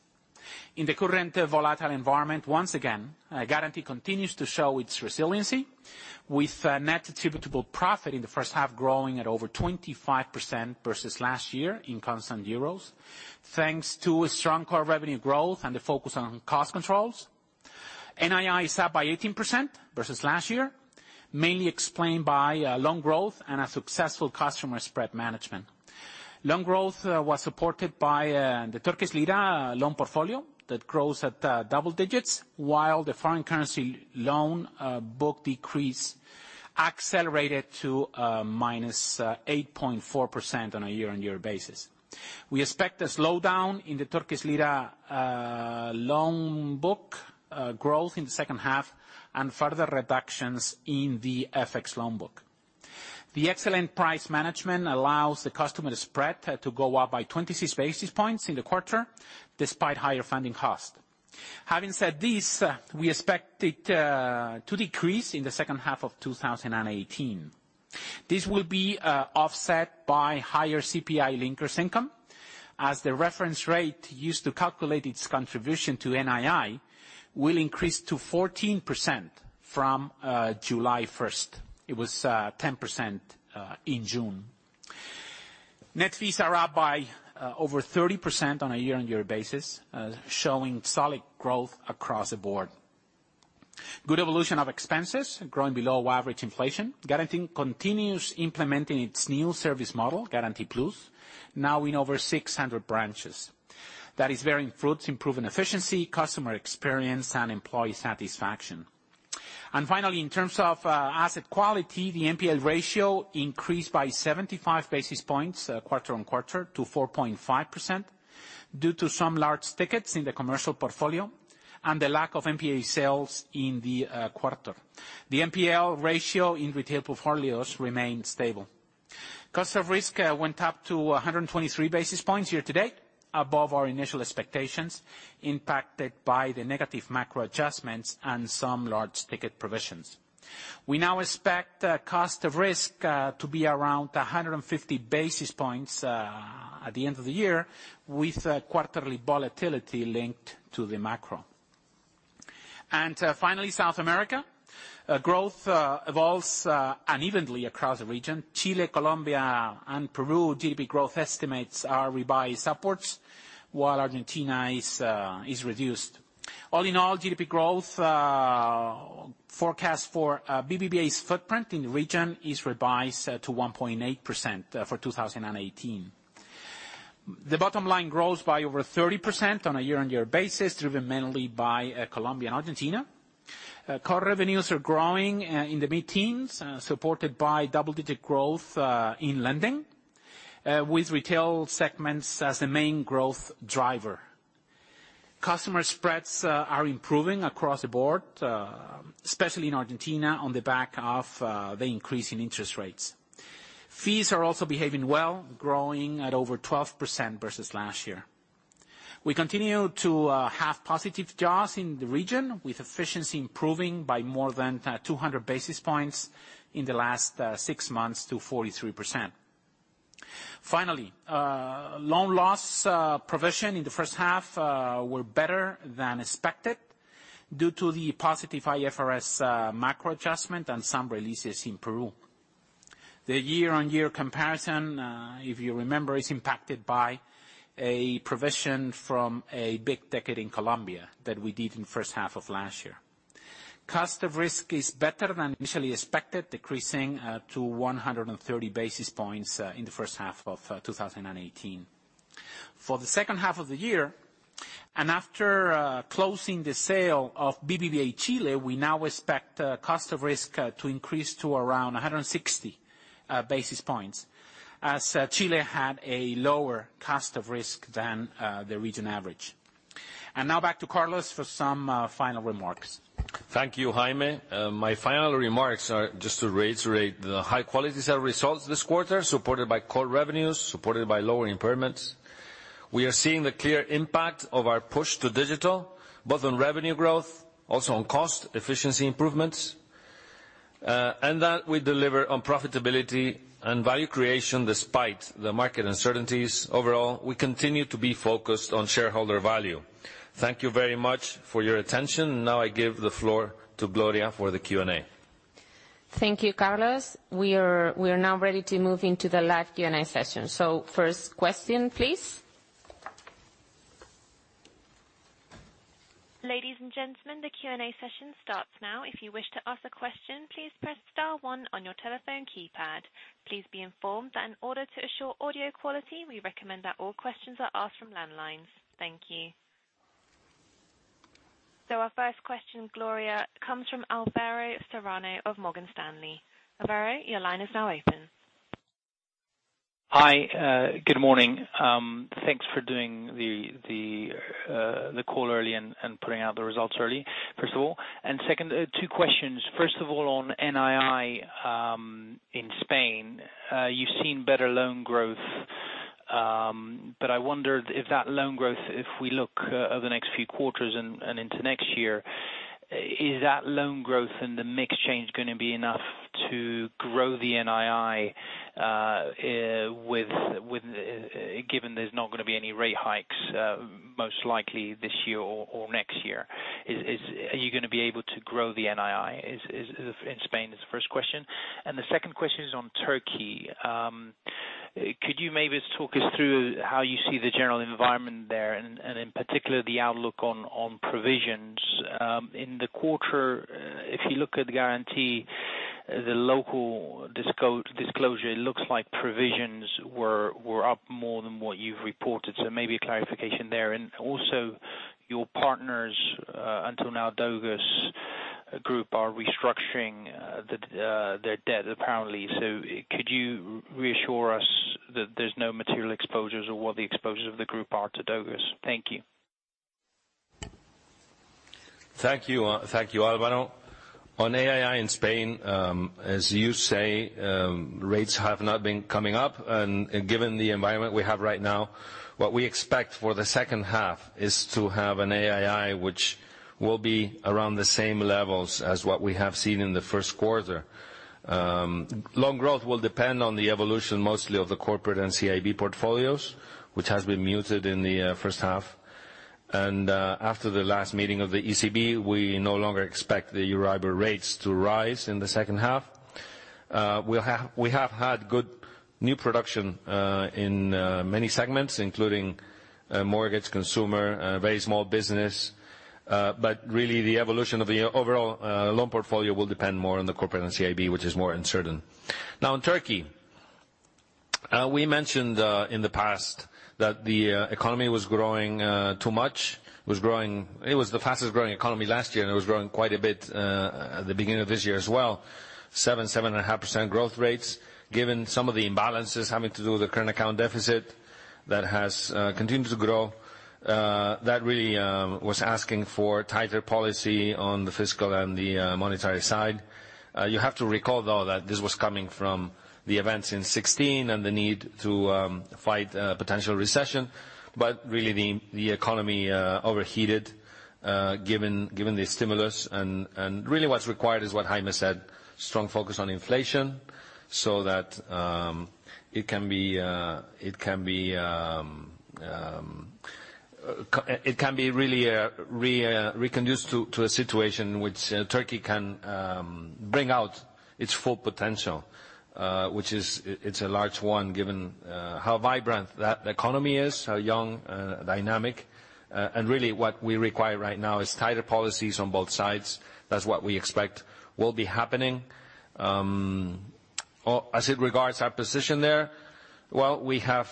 C: In the current volatile environment, once again, Garanti continues to show its resiliency, with net attributable profit in the first half growing at over 25% versus last year in constant euros, thanks to a strong core revenue growth and the focus on cost controls. NII is up by 18% versus last year, mainly explained by loan growth and a successful customer spread management. Loan growth was supported by the Turkish lira loan portfolio that grows at double digits, while the foreign currency loan book decrease accelerated to -8.4% on a year-on-year basis. We expect a slowdown in the Turkish lira loan book growth in the second half, and further reductions in the FX loan book. The excellent price management allows the customer spread to go up by 26 basis points in the quarter, despite higher funding cost. Having said this, we expect it to decrease in the second half of 2018. This will be offset by higher CPI linkers income, as the reference rate used to calculate its contribution to NII will increase to 14% from July 1st. It was 10% in June. Net fees are up by over 30% on a year-on-year basis, showing solid growth across the board. Good evolution of expenses, growing below average inflation. Garanti continues implementing its new service model, Garanti Plus, now in over 600 branches. That is bearing fruits, improving efficiency, customer experience, and employee satisfaction. In terms of asset quality, the NPL ratio increased by 75 basis points quarter on quarter to 4.5% due to some large tickets in the commercial portfolio and the lack of NPL sales in the quarter. The NPL ratio in retail portfolios remained stable. Cost of risk went up to 123 basis points year-to-date, above our initial expectations, impacted by the negative macro adjustments and some large ticket provisions. We now expect cost of risk to be around 150 basis points at the end of the year, with quarterly volatility linked to the macro. Finally, South America. Growth evolves unevenly across the region. Chile, Colombia, and Peru GDP growth estimates are revised upwards, while Argentina is reduced. All in all, GDP growth forecast for BBVA's footprint in the region is revised to 1.8% for 2018. The bottom line grows by over 30% on a year-on-year basis, driven mainly by Colombia and Argentina. Core revenues are growing in the mid-teens, supported by double-digit growth in lending, with retail segments as the main growth driver. Customer spreads are improving across the board, especially in Argentina, on the back of the increase in interest rates. Fees are also behaving well, growing at over 12% versus last year. We continue to have positive jaws in the region, with efficiency improving by more than 200 basis points in the last six months to 43%. Finally, loan loss provision in the first half were better than expected due to the positive IFRS macro adjustment and some releases in Peru. The year-on-year comparison, if you remember, is impacted by a provision from a big ticket in Colombia that we did in the first half of last year. Cost of risk is better than initially expected, decreasing to 130 basis points in the first half of 2018. For the second half of the year, after closing the sale of BBVA Chile, we now expect cost of risk to increase to around 160 basis points, as Chile had a lower cost of risk than the region average. Now back to Carlos for some final remarks.
B: Thank you, Jaime. My final remarks are just to reiterate the high quality set of results this quarter, supported by core revenues, supported by lower impairments. We are seeing the clear impact of our push to digital, both on revenue growth, also on cost efficiency improvements, and that we deliver on profitability and value creation despite the market uncertainties. Overall, we continue to be focused on shareholder value. Thank you very much for your attention. Now I give the floor to Gloria for the Q&A.
A: Thank you, Carlos. We are now ready to move into the live Q&A session. First question, please.
D: Ladies and gentlemen, the Q&A session starts now. If you wish to ask a question, please press star one on your telephone keypad. Please be informed that in order to assure audio quality, we recommend that all questions are asked from landlines. Thank you. Our first question, Gloria, comes from Alvaro Serrano of Morgan Stanley. Alvaro, your line is now open.
E: Hi. Good morning. Thanks for doing the call early and putting out the results early, first of all. Second, two questions. First of all, on NII in Spain, you've seen better loan growth, but I wondered if that loan growth, if we look over the next few quarters and into next year, is that loan growth and the mix change going to be enough to grow the NII, given there's not going to be any rate hikes, most likely this year or next year? Are you going to be able to grow the NII in Spain, is the first question. The second question is on Turkey. Could you maybe talk us through how you see the general environment there, and in particular, the outlook on provisions? In the quarter, if you look at the Garanti, the local disclosure, it looks like provisions were up more than what you've reported. Maybe a clarification there. Also, your partners until now, Doğuş Group, are restructuring their debt, apparently. Could you reassure us that there's no material exposures or what the exposures of the group are to Doğuş? Thank you.
B: Thank you, Alvaro. On NII in Spain, as you say, rates have not been coming up, given the environment we have right now, what we expect for the second half is to have an NII which will be around the same levels as what we have seen in the first quarter. Loan growth will depend on the evolution, mostly of the corporate and CIB portfolios, which has been muted in the first half. After the last meeting of the ECB, we no longer expect the EURIBOR rates to rise in the second half. We have had good new production in many segments, including mortgage, consumer, very small business. Really, the evolution of the overall loan portfolio will depend more on the corporate and CIB, which is more uncertain. In Turkey, we mentioned in the past that the economy was growing too much. It was the fastest growing economy last year, it was growing quite a bit at the beginning of this year as well. 7.5% growth rates. Given some of the imbalances having to do with the current account deficit that has continued to grow, that really was asking for tighter policy on the fiscal and the monetary side. You have to recall, though, that this was coming from the events in '16, the need to fight potential recession. Really, the economy overheated given the stimulus, really what's required is what Jaime said, strong focus on inflation, so that it can be really reconducive to a situation which Turkey can bring out its full potential, which it's a large one, given how vibrant that economy is, how young, dynamic, really what we require right now is tighter policies on both sides. That's what we expect will be happening. As it regards our position there, well, we have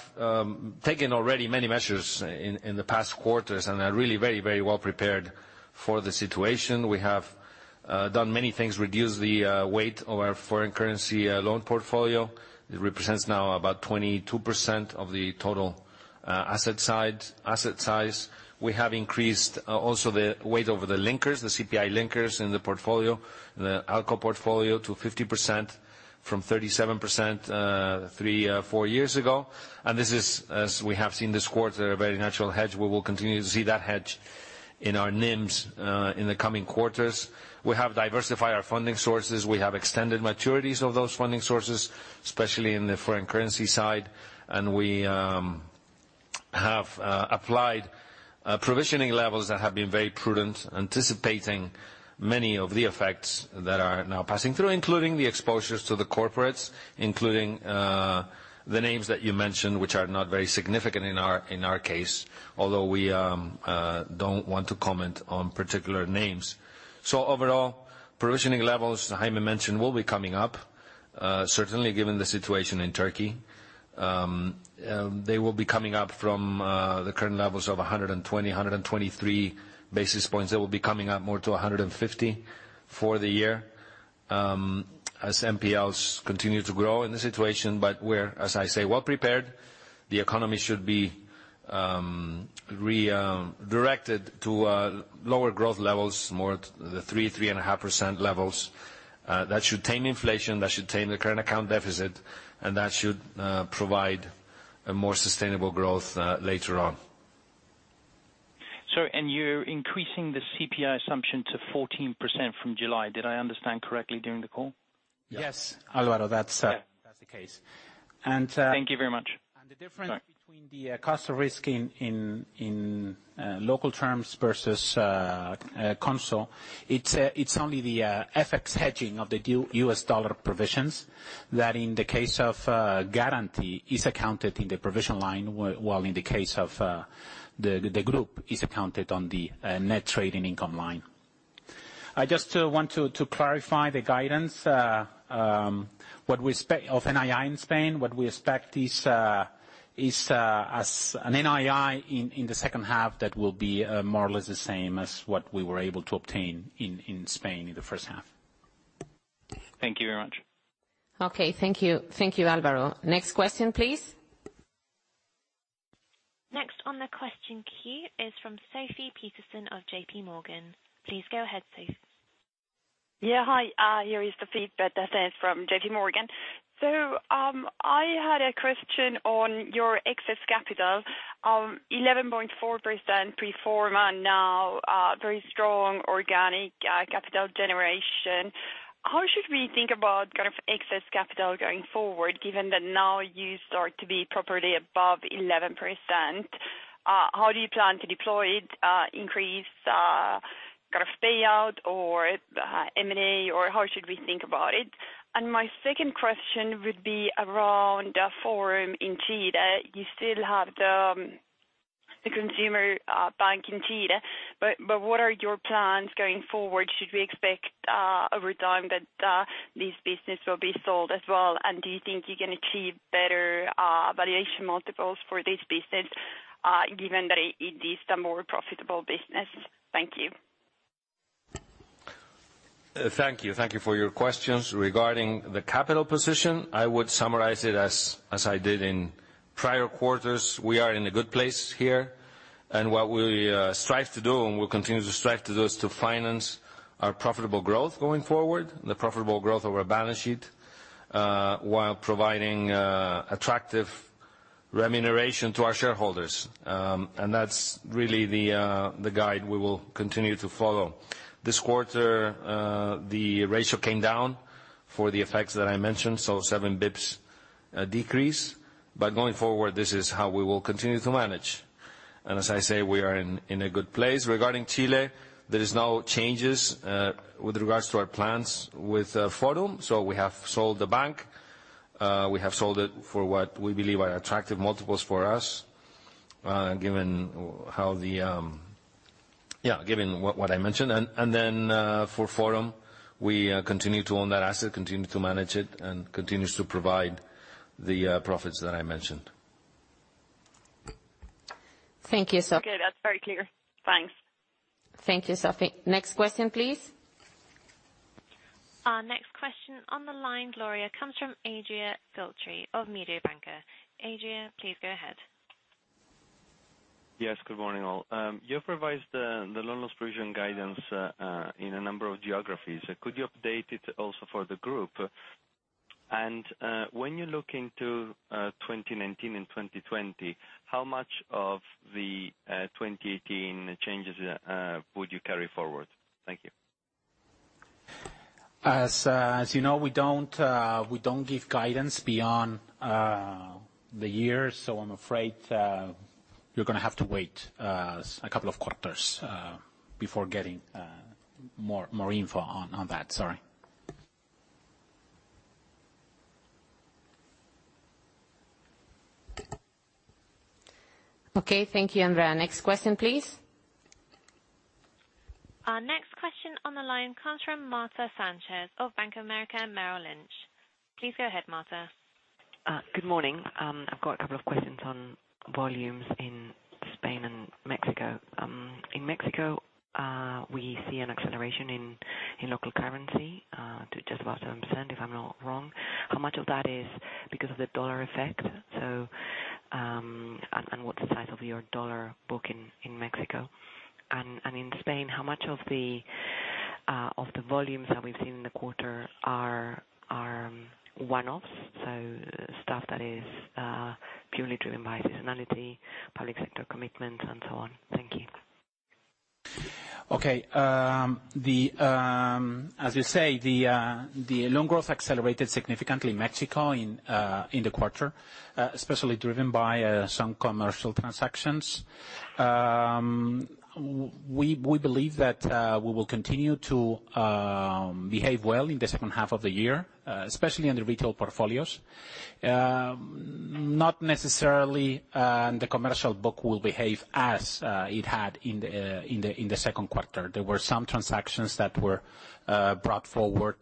B: taken already many measures in the past quarters, are really very well prepared for the situation. We have done many things, reduced the weight of our foreign currency loan portfolio. It represents now about 22% of the total asset size. We have increased also the weight over the linkers, the CPI linkers in the portfolio, the ALCO portfolio, to 50% from 37%, three, four years ago. This is, as we have seen this quarter, a very natural hedge. We will continue to see that hedge in our NIMs in the coming quarters. We have diversified our funding sources. We have extended maturities of those funding sources, especially in the foreign currency side. We have applied provisioning levels that have been very prudent, anticipating many of the effects that are now passing through, including the exposures to the corporates, including the names that you mentioned, which are not very significant in our case, although we don't want to comment on particular names. Overall, provisioning levels, as Jaime mentioned, will be coming up. Certainly, given the situation in Turkey. They will be coming up from the current levels of 120, 123 basis points. They will be coming up more to 150 for the year as NPLs continue to grow in the situation. We're, as I say, well prepared. The economy should be redirected to lower growth levels, more the 3.5% levels. That should tame inflation, that should tame the current account deficit, that should provide a more sustainable growth later on.
E: Sorry, you're increasing the CPI assumption to 14% from July. Did I understand correctly during the call?
B: Yes, Alvaro, that's the case.
E: Thank you very much.
B: The difference between the cost of risk in local terms versus consolidated, it is only the FX hedging of the US dollar provisions, that in the case of Garanti, is accounted in the provision line, while in the case of the group, is accounted on the net trading income line. I just want to clarify the guidance of NII in Spain, what we expect is an NII in the second half that will be more or less the same as what we were able to obtain in Spain in the first half.
E: Thank you very much.
A: Okay, thank you, Alvaro. Next question, please.
D: Next on the question queue is from Sofie Peterzens of J.P. Morgan. Please go ahead, Sofie.
F: Yeah. Hi, here is Sofie Peterzens from J.P. Morgan. I had a question on your excess capital, 11.4% pro forma now, very strong organic capital generation. How should we think about excess capital going forward, given that now you start to be properly above 11%? How do you plan to deploy it, increase payout, or M&A, or how should we think about it? My second question would be around Forum in Chile. You still have the consumer bank in Chile. What are your plans going forward? Should we expect over time that this business will be sold as well? Do you think you can achieve better valuation multiples for this business, given that it is the more profitable business? Thank you.
C: Thank you. Thank you for your questions. Regarding the capital position, I would summarize it as I did in prior quarters, we are in a good place here. What we strive to do, and we'll continue to strive to do, is to finance our profitable growth going forward, the profitable growth of our balance sheet, while providing attractive remuneration to our shareholders. That's really the guide we will continue to follow. This quarter, the ratio came down for the effects that I mentioned, 7 basis points decrease. Going forward, this is how we will continue to manage. As I say, we are in a good place. Regarding Chile, there is no changes with regards to our plans with Forum. We have sold the bank. We have sold it for what we believe are attractive multiples for us, given what I mentioned. For Forum, we continue to own that asset, continue to manage it, and continues to provide the profits that I mentioned.
A: Thank you, Sofie.
F: Okay. That's very clear. Thanks.
A: Thank you, Sofie. Next question, please.
D: Our next question on the line, Gloria, comes from Andrea Filtri, Andrea of Mediobanca. Adria, please go ahead.
G: Yes, good morning, all. You have revised the loan loss provision guidance in a number of geographies. Could you update it also for the group? When you look into 2019 and 2020, how much of the 2018 changes would you carry forward? Thank you.
C: As you know, we don't give guidance beyond the year. I'm afraid you're going to have to wait a couple of quarters before getting more info on that. Sorry.
A: Okay. Thank you, Andrea. Next question, please.
D: Our next question on the line comes from Marta Sanchez of Bank of America, Merrill Lynch. Please go ahead, Marta.
H: Good morning. I've got a couple of questions on volumes in Spain and Mexico. In Mexico, we see an acceleration in local currency, to just about 7%, if I'm not wrong. How much of that is because of the dollar effect? What's the size of your dollar book in Mexico? In Spain, how much of the volumes that we've seen in the quarter are one-offs? Stuff that is purely driven by seasonality, public sector commitments, and so on. Thank you.
C: Okay. As you say, the loan growth accelerated significantly in Mexico in the quarter, especially driven by some commercial transactions. We believe that we will continue to behave well in the second half of the year, especially in the retail portfolios. Not necessarily the commercial book will behave as it had in the second quarter. There were some transactions that were brought forward,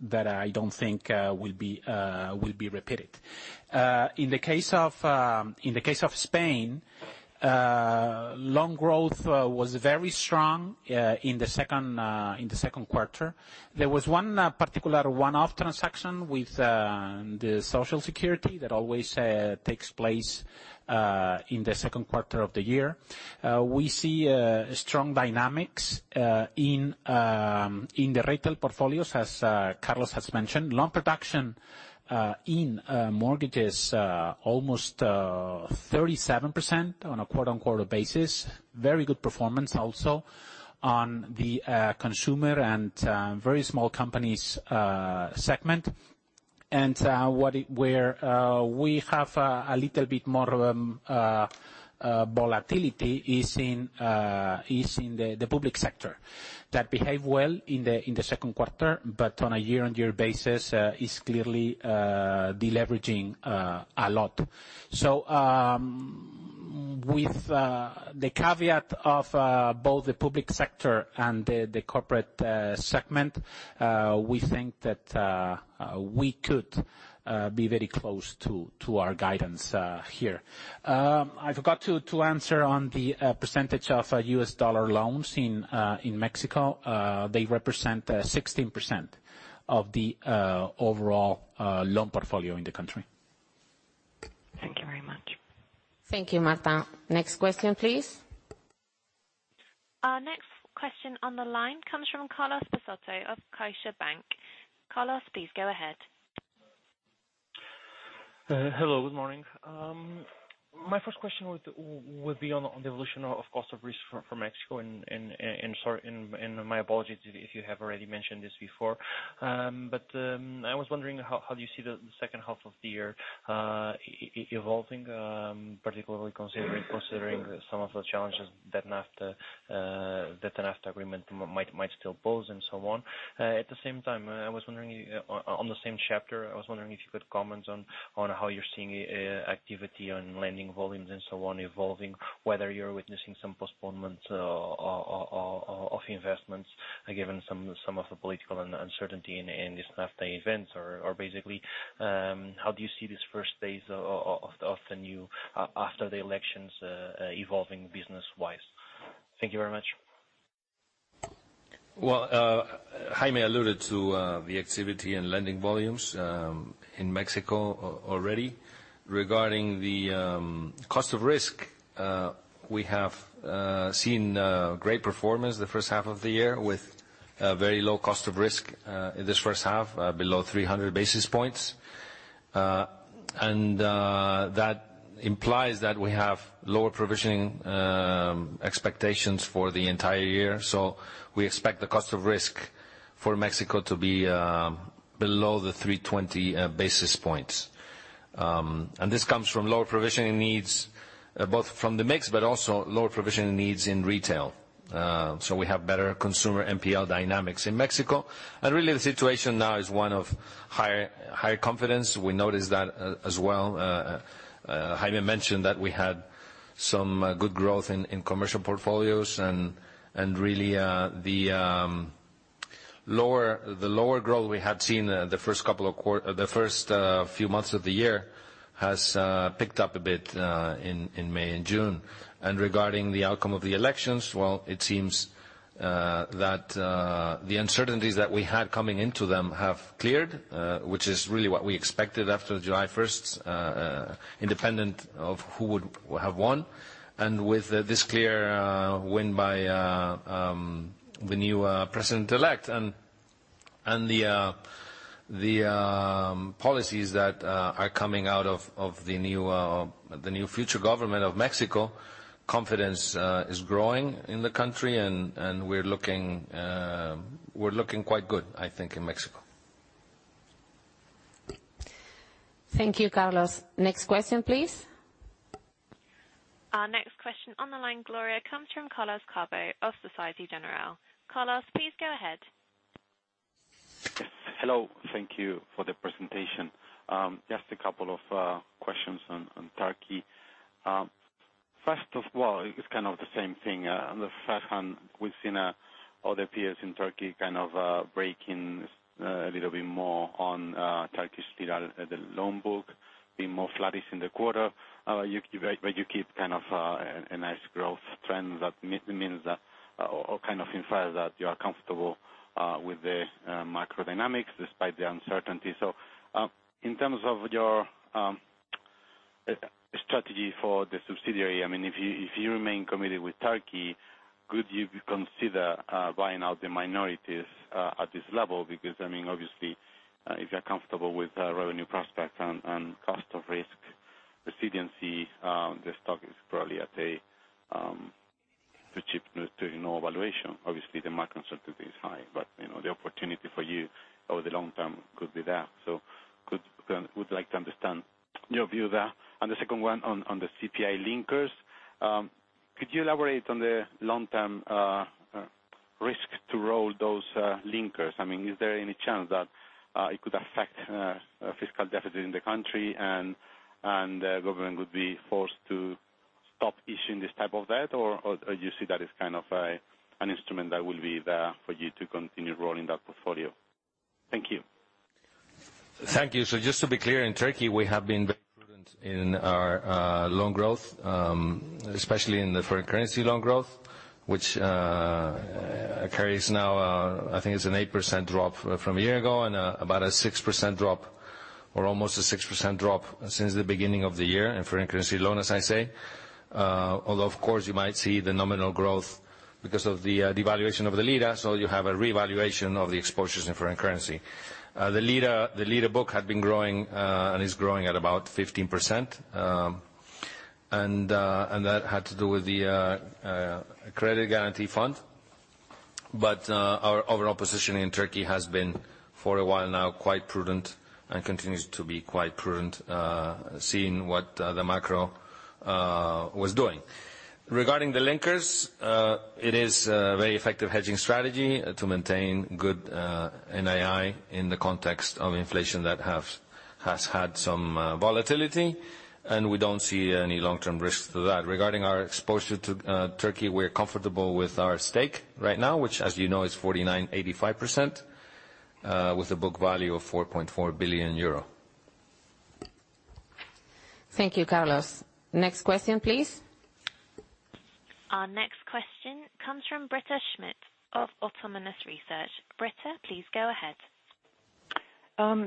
C: that I don't think will be repeated. In the case of Spain, loan growth was very strong in the second quarter. There was one particular one-off transaction with the Social Security that always takes place in the second quarter of the year. We see strong dynamics in the retail portfolios, as Carlos has mentioned. Loan production in mortgages almost 37% on a quarter-on-quarter basis. Very good performance also on the consumer and very small companies segment. Where we have a little bit more volatility is in the public sector, that behaved well in the second quarter, but on a year-on-year basis is clearly deleveraging a lot. With the caveat of both the public sector and the corporate segment, we think that we could be very close to our guidance here. I forgot to answer on the percentage of U.S. dollar loans in Mexico. They represent 16% of the overall loan portfolio in the country.
H: Thank you very much.
A: Thank you, Marta. Next question, please.
D: Our next question on the line comes from Carlos Peixoto of CaixaBank. Carlos, please go ahead.
I: Hello, good morning. My first question would be on the evolution of cost of risk for Mexico, and my apologies if you have already mentioned this before. I was wondering how you see the second half of the year evolving, particularly considering some of the challenges that the NAFTA agreement might still pose, and so on. At the same time, on the same chapter, I was wondering if you could comment on how you're seeing activity on lending volumes and so on evolving, whether you're witnessing some postponement of investments given some of the political uncertainty in this NAFTA event. Basically, how do you see these first days after the elections evolving business-wise? Thank you very much.
B: Well, Jaime alluded to the activity and lending volumes in Mexico already. Regarding the cost of risk, we have seen great performance the first half of the year, with very low cost of risk in this first half, below 300 basis points. That implies that we have lower provisioning expectations for the entire year. We expect the cost of risk for Mexico to be below the 320 basis points. This comes from lower provisioning needs, both from the mix, but also lower provisioning needs in retail. We have better consumer NPL dynamics in Mexico. Really, the situation now is one of higher confidence. We noticed that as well. Jaime mentioned that we had some good growth in commercial portfolios, and really, the lower growth we had seen the first few months of the year has picked up a bit in May and June. Regarding the outcome of the elections, well, it seems that the uncertainties that we had coming into them have cleared, which is really what we expected after July 1st, independent of who would have won. With this clear win by the new president-elect, and the policies that are coming out of the new future government of Mexico, confidence is growing in the country, and we're looking quite good, I think, in Mexico.
A: Thank you, Carlos. Next question, please.
D: Our next question on the line, Gloria, comes from Carlos Cobo of Société Générale. Carlos, please go ahead.
J: Yes. Hello. Thank you for the presentation. Just a couple of questions on Turkey. First of all, it's kind of the same thing. On the first hand, we've seen other peers in Turkey kind of breaking a little bit more on Turkish the loan book, being more flattish in the quarter. You keep a nice growth trend that means that, or kind of implies that you are comfortable with the macro dynamics despite the uncertainty. In terms of your strategy for the subsidiary, if you remain committed with Turkey, could you consider buying out the minorities at this level? Obviously, if you're comfortable with revenue prospects and cost of risk resiliency, the stock is probably at a too cheap to no valuation. Obviously, the macro uncertainty is high, but the opportunity for you over the long term could be there. Would like to understand your view there. The second one on the CPI linkers. Could you elaborate on the long-term risk to roll those linkers? Is there any chance that it could affect fiscal deficit in the country, and the government would be forced to stop issuing this type of debt, or you see that as kind of an instrument that will be there for you to continue rolling that portfolio? Thank you.
B: Thank you. Just to be clear, in Turkey, we have been very prudent in our loan growth, especially in the foreign currency loan growth, which carries now, I think it's an 8% drop from a year ago, and about a 6% drop, or almost a 6% drop since the beginning of the year in foreign currency loans, as I say. Although, of course, you might see the nominal growth because of the devaluation of the lira, you have a revaluation of the exposures in foreign currency. The lira book had been growing, and is growing at about 15%, and that had to do with the Credit Guarantee Fund. Our overall position in Turkey has been, for a while now, quite prudent and continues to be quite prudent, seeing what the macro was doing. Regarding the linkers, it is a very effective hedging strategy to maintain good NII in the context of inflation that has had some volatility, and we don't see any long-term risk to that. Regarding our exposure to Turkey, we're comfortable with our stake right now, which as you know, is 49.85%, with a book value of 4.4 billion euro.
A: Thank you, Carlos. Next question, please.
D: Our next question comes from Britta Schmidt of Autonomous Research. Britta, please go ahead.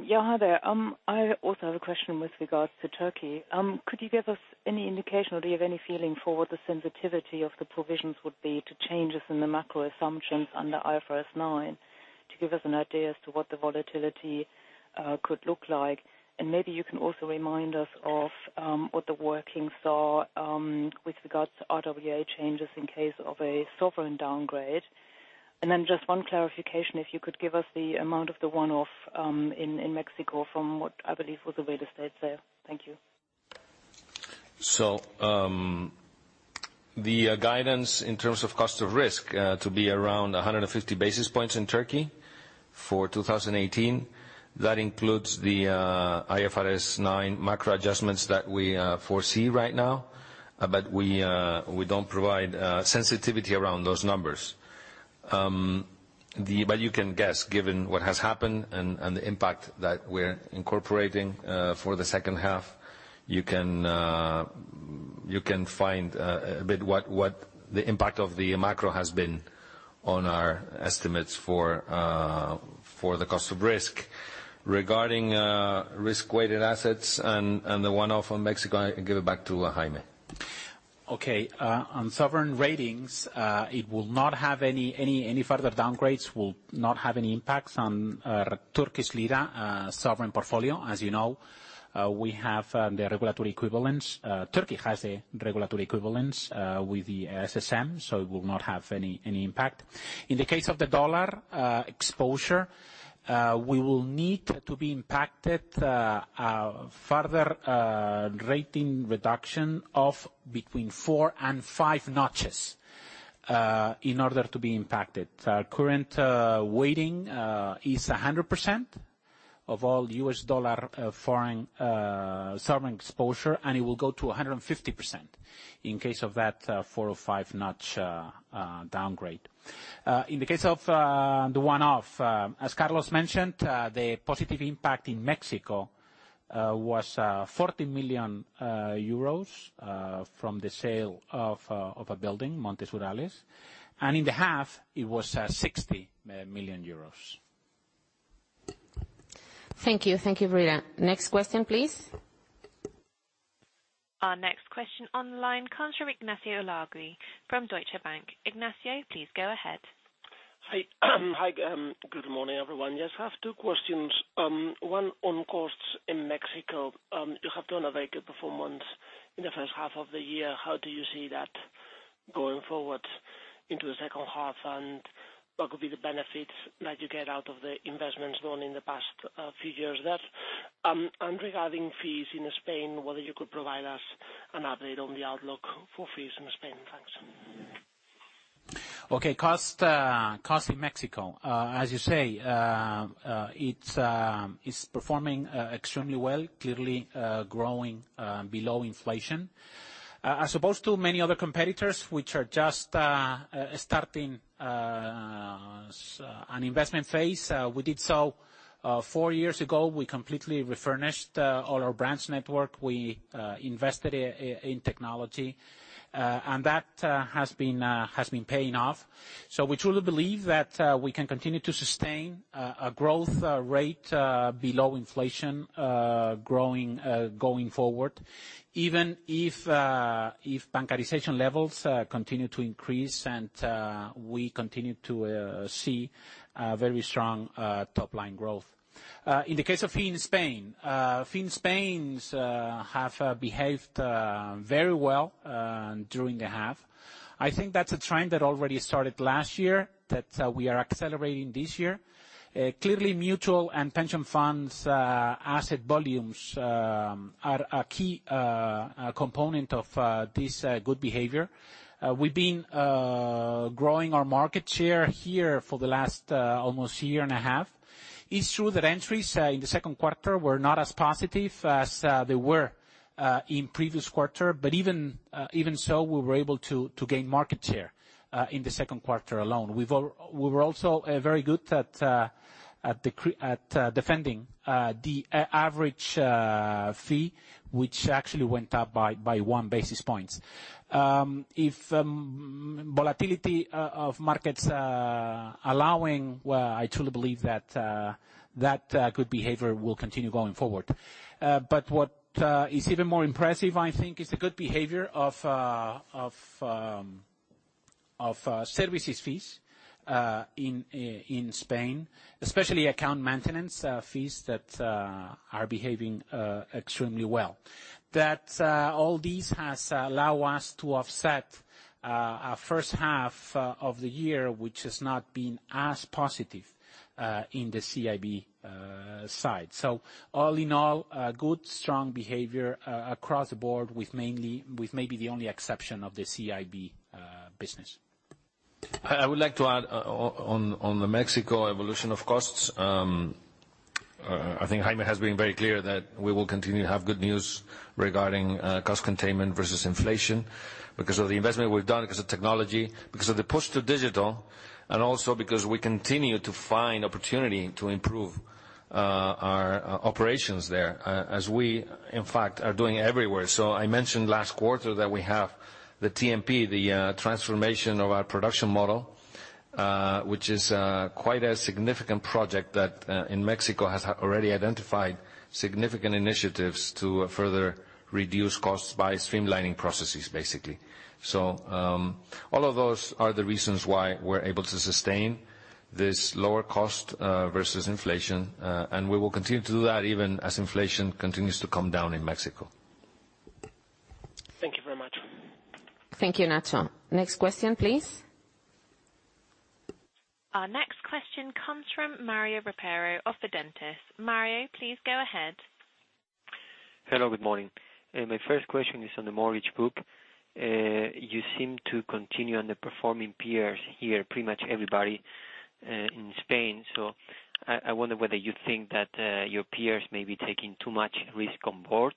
K: Yeah. Hi there. I also have a question with regards to Turkey. Could you give us any indication, or do you have any feeling for what the sensitivity of the provisions would be to changes in the macro assumptions under IFRS 9, to give us an idea as to what the volatility could look like? Maybe you can also remind us of what the workings are with regards to RWA changes in case of a sovereign downgrade. Just one clarification, if you could give us the amount of the one-off in Mexico from what I believe was a real estate sale. Thank you.
B: The guidance in terms of cost of risk to be around 150 basis points in Turkey for 2018. That includes the IFRS 9 macro adjustments that we foresee right now. We don't provide sensitivity around those numbers. You can guess, given what has happened and the impact that we're incorporating for the second half, you can find a bit what the impact of the macro has been on our estimates for the cost of risk. Regarding risk-weighted assets and the one-off on Mexico, I give it back to Jaime.
C: On sovereign ratings, it will not have any further downgrades, will not have any impacts on our Turkish lira sovereign portfolio. As you know, Turkey has a regulatory equivalence with the SSM, it will not have any impact. In the case of the dollar exposure, we will need to be impacted, a further rating reduction of between four and five notches in order to be impacted. Our current weighting is 100% of all US dollar foreign sovereign exposure, and it will go to 150% in case of that four or five-notch downgrade. In the case of the one-off, as Carlos mentioned, the positive impact in Mexico was 40 million euros from the sale of a building, Montes Urales, in the half, it was 60 million euros.
A: Thank you. Thank you, Britta. Next question, please.
D: Our next question online comes from Ignacio Ulargui from Deutsche Bank. Ignacio, please go ahead.
L: Have two questions. One on costs in Mexico. You have done a very good performance in the first half of the year. How do you see that going forward into the second half? What could be the benefits that you get out of the investments done in the past few years there? Regarding fees in Spain, whether you could provide us an update on the outlook for fees in Spain. Thanks.
C: Okay. Cost in Mexico, as you say, it is performing extremely well, clearly growing below inflation. As opposed to many other competitors, which are just starting an investment phase, we did so four years ago. We completely refurnished all our branch network. We invested in technology. That has been paying off. We truly believe that we can continue to sustain a growth rate below inflation growing going forward, even if bancarization levels continue to increase and we continue to see very strong top-line growth. In the case of fee in Spain. Fees in Spain have behaved very well during the half. I think that is a trend that already started last year that we are accelerating this year. Clearly, mutual and pension funds asset volumes are a key component of this good behavior. We have been growing our market share here for the last almost year and a half. It's true that entries in the second quarter were not as positive as they were in previous quarter. Even so, we were able to gain market share in the second quarter alone. We were also very good at defending the average fee, which actually went up by 1 basis point. If volatility of markets allowing, well, I truly believe that that good behavior will continue going forward. What is even more impressive, I think, is the good behavior of services fees in Spain, especially account maintenance fees that are behaving extremely well. This all these has allow us to offset our first half of the year, which has not been as positive in the CIB side. All in all, good, strong behavior across the board with maybe the only exception of the CIB business.
B: I would like to add on the Mexico evolution of costs. I think Jaime has been very clear that we will continue to have good news regarding cost containment versus inflation because of the investment we've done, because of technology, because of the push to digital, and also because we continue to find opportunity to improve our operations there, as we, in fact, are doing everywhere. I mentioned last quarter that we have the TMP, the transformation of our production model, which is quite a significant project that, in Mexico, has already identified significant initiatives to further reduce costs by streamlining processes, basically. All of those are the reasons why we're able to sustain this lower cost versus inflation, and we will continue to do that even as inflation continues to come down in Mexico.
L: Thank you very much.
A: Thank you, Nacho. Next question, please.
D: Our next question comes from Mario Ropero of Fidentiis. Mario, please go ahead.
M: Hello, good morning. My first question is on the mortgage book. You seem to continue underperforming peers here, pretty much everybody in Spain. I wonder whether you think that your peers may be taking too much risk on board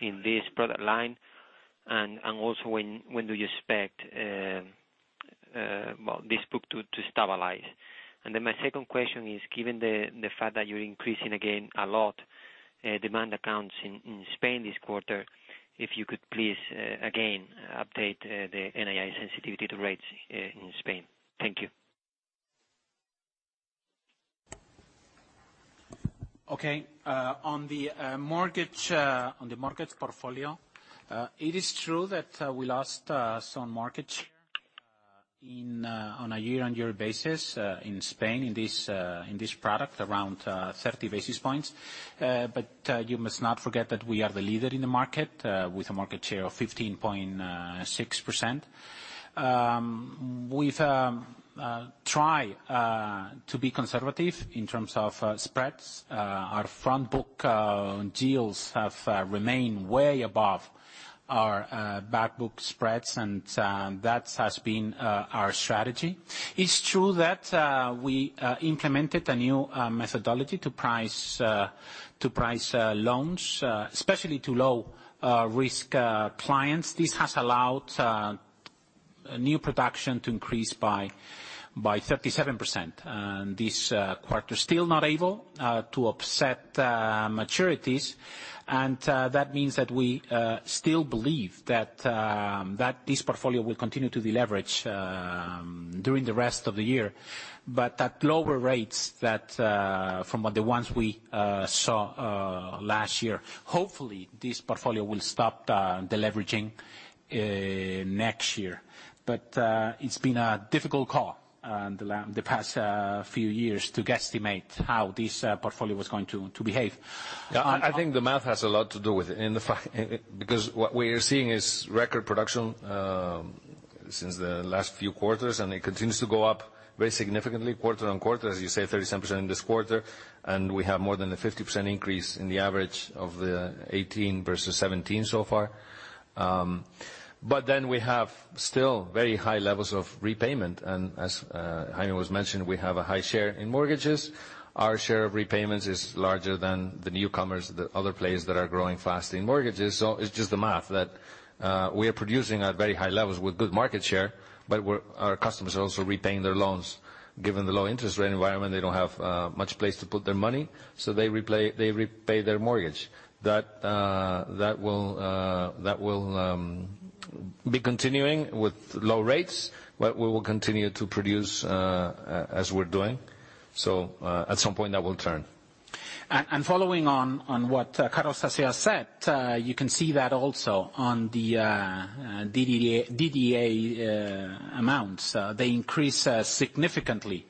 M: in this product line. Also when do you expect well, this book to stabilize. My second question is, given the fact that you're increasing again a lot demand accounts in Spain this quarter, if you could please, again, update the NII sensitivity to rates in Spain. Thank you.
C: Okay. On the mortgage portfolio, it is true that we lost some market share on a year-on-year basis in Spain in this product, around 30 basis points. You must not forget that we are the leader in the market, with a market share of 15.6%. We've tried to be conservative in terms of spreads. Our front book deals have remained way above our back book spreads, that has been our strategy. It's true that we implemented a new methodology to price loans, especially to low-risk clients. This has allowed new production to increase by 37%. This quarter still not able to offset maturities, that means that we still believe that this portfolio will continue to deleverage during the rest of the year, but at lower rates from the ones we saw last year. Hopefully, this portfolio will stop deleveraging next year. It's been a difficult call in the past few years to guesstimate how this portfolio was going to behave.
B: I think the math has a lot to do with it. What we are seeing is record production since the last few quarters, and it continues to go up very significantly quarter on quarter, as you say, 37% in this quarter. We have more than a 50% increase in the average of the 2018 versus 2017 so far. We have still very high levels of repayment. As Jaime was mentioning, we have a high share in mortgages. Our share of repayments is larger than the newcomers, the other players that are growing fast in mortgages. It's just the math, that we are producing at very high levels with good market share, but our customers are also repaying their loans. Given the low interest rate environment, they don't have much place to put their money, so they repay their mortgage. That will be continuing with low rates. We will continue to produce as we're doing. At some point, that will turn.
C: Following on what Carlos has just said, you can see that also on the DDA amounts. They increased significantly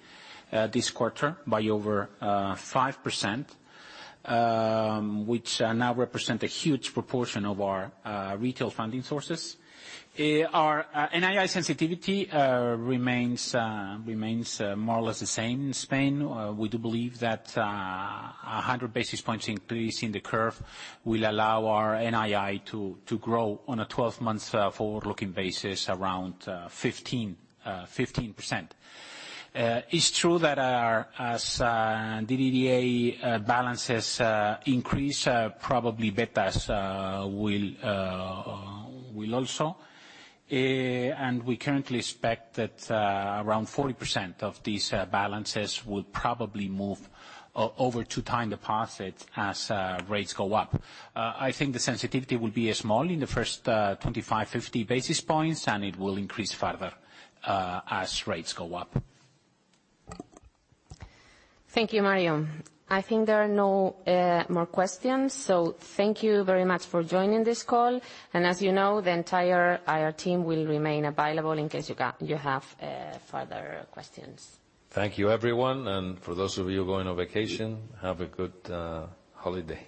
C: this quarter by over 5%, which now represent a huge proportion of our retail funding sources. Our NII sensitivity remains more or less the same in Spain. We do believe that 100 basis points increase in the curve will allow our NII to grow on a 12 months forward-looking basis around 15%. It's true that as DDA balances increase, probably betas will also. We currently expect that around 40% of these balances will probably move over to time deposit as rates go up. I think the sensitivity will be small in the first 25, 50 basis points, and it will increase further as rates go up.
A: Thank you, Mario. I think there are no more questions, thank you very much for joining this call. As you know, the entire IR team will remain available in case you have further questions.
B: Thank you, everyone, and for those of you going on vacation, have a good holiday.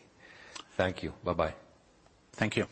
B: Thank you. Bye-bye.
C: Thank you.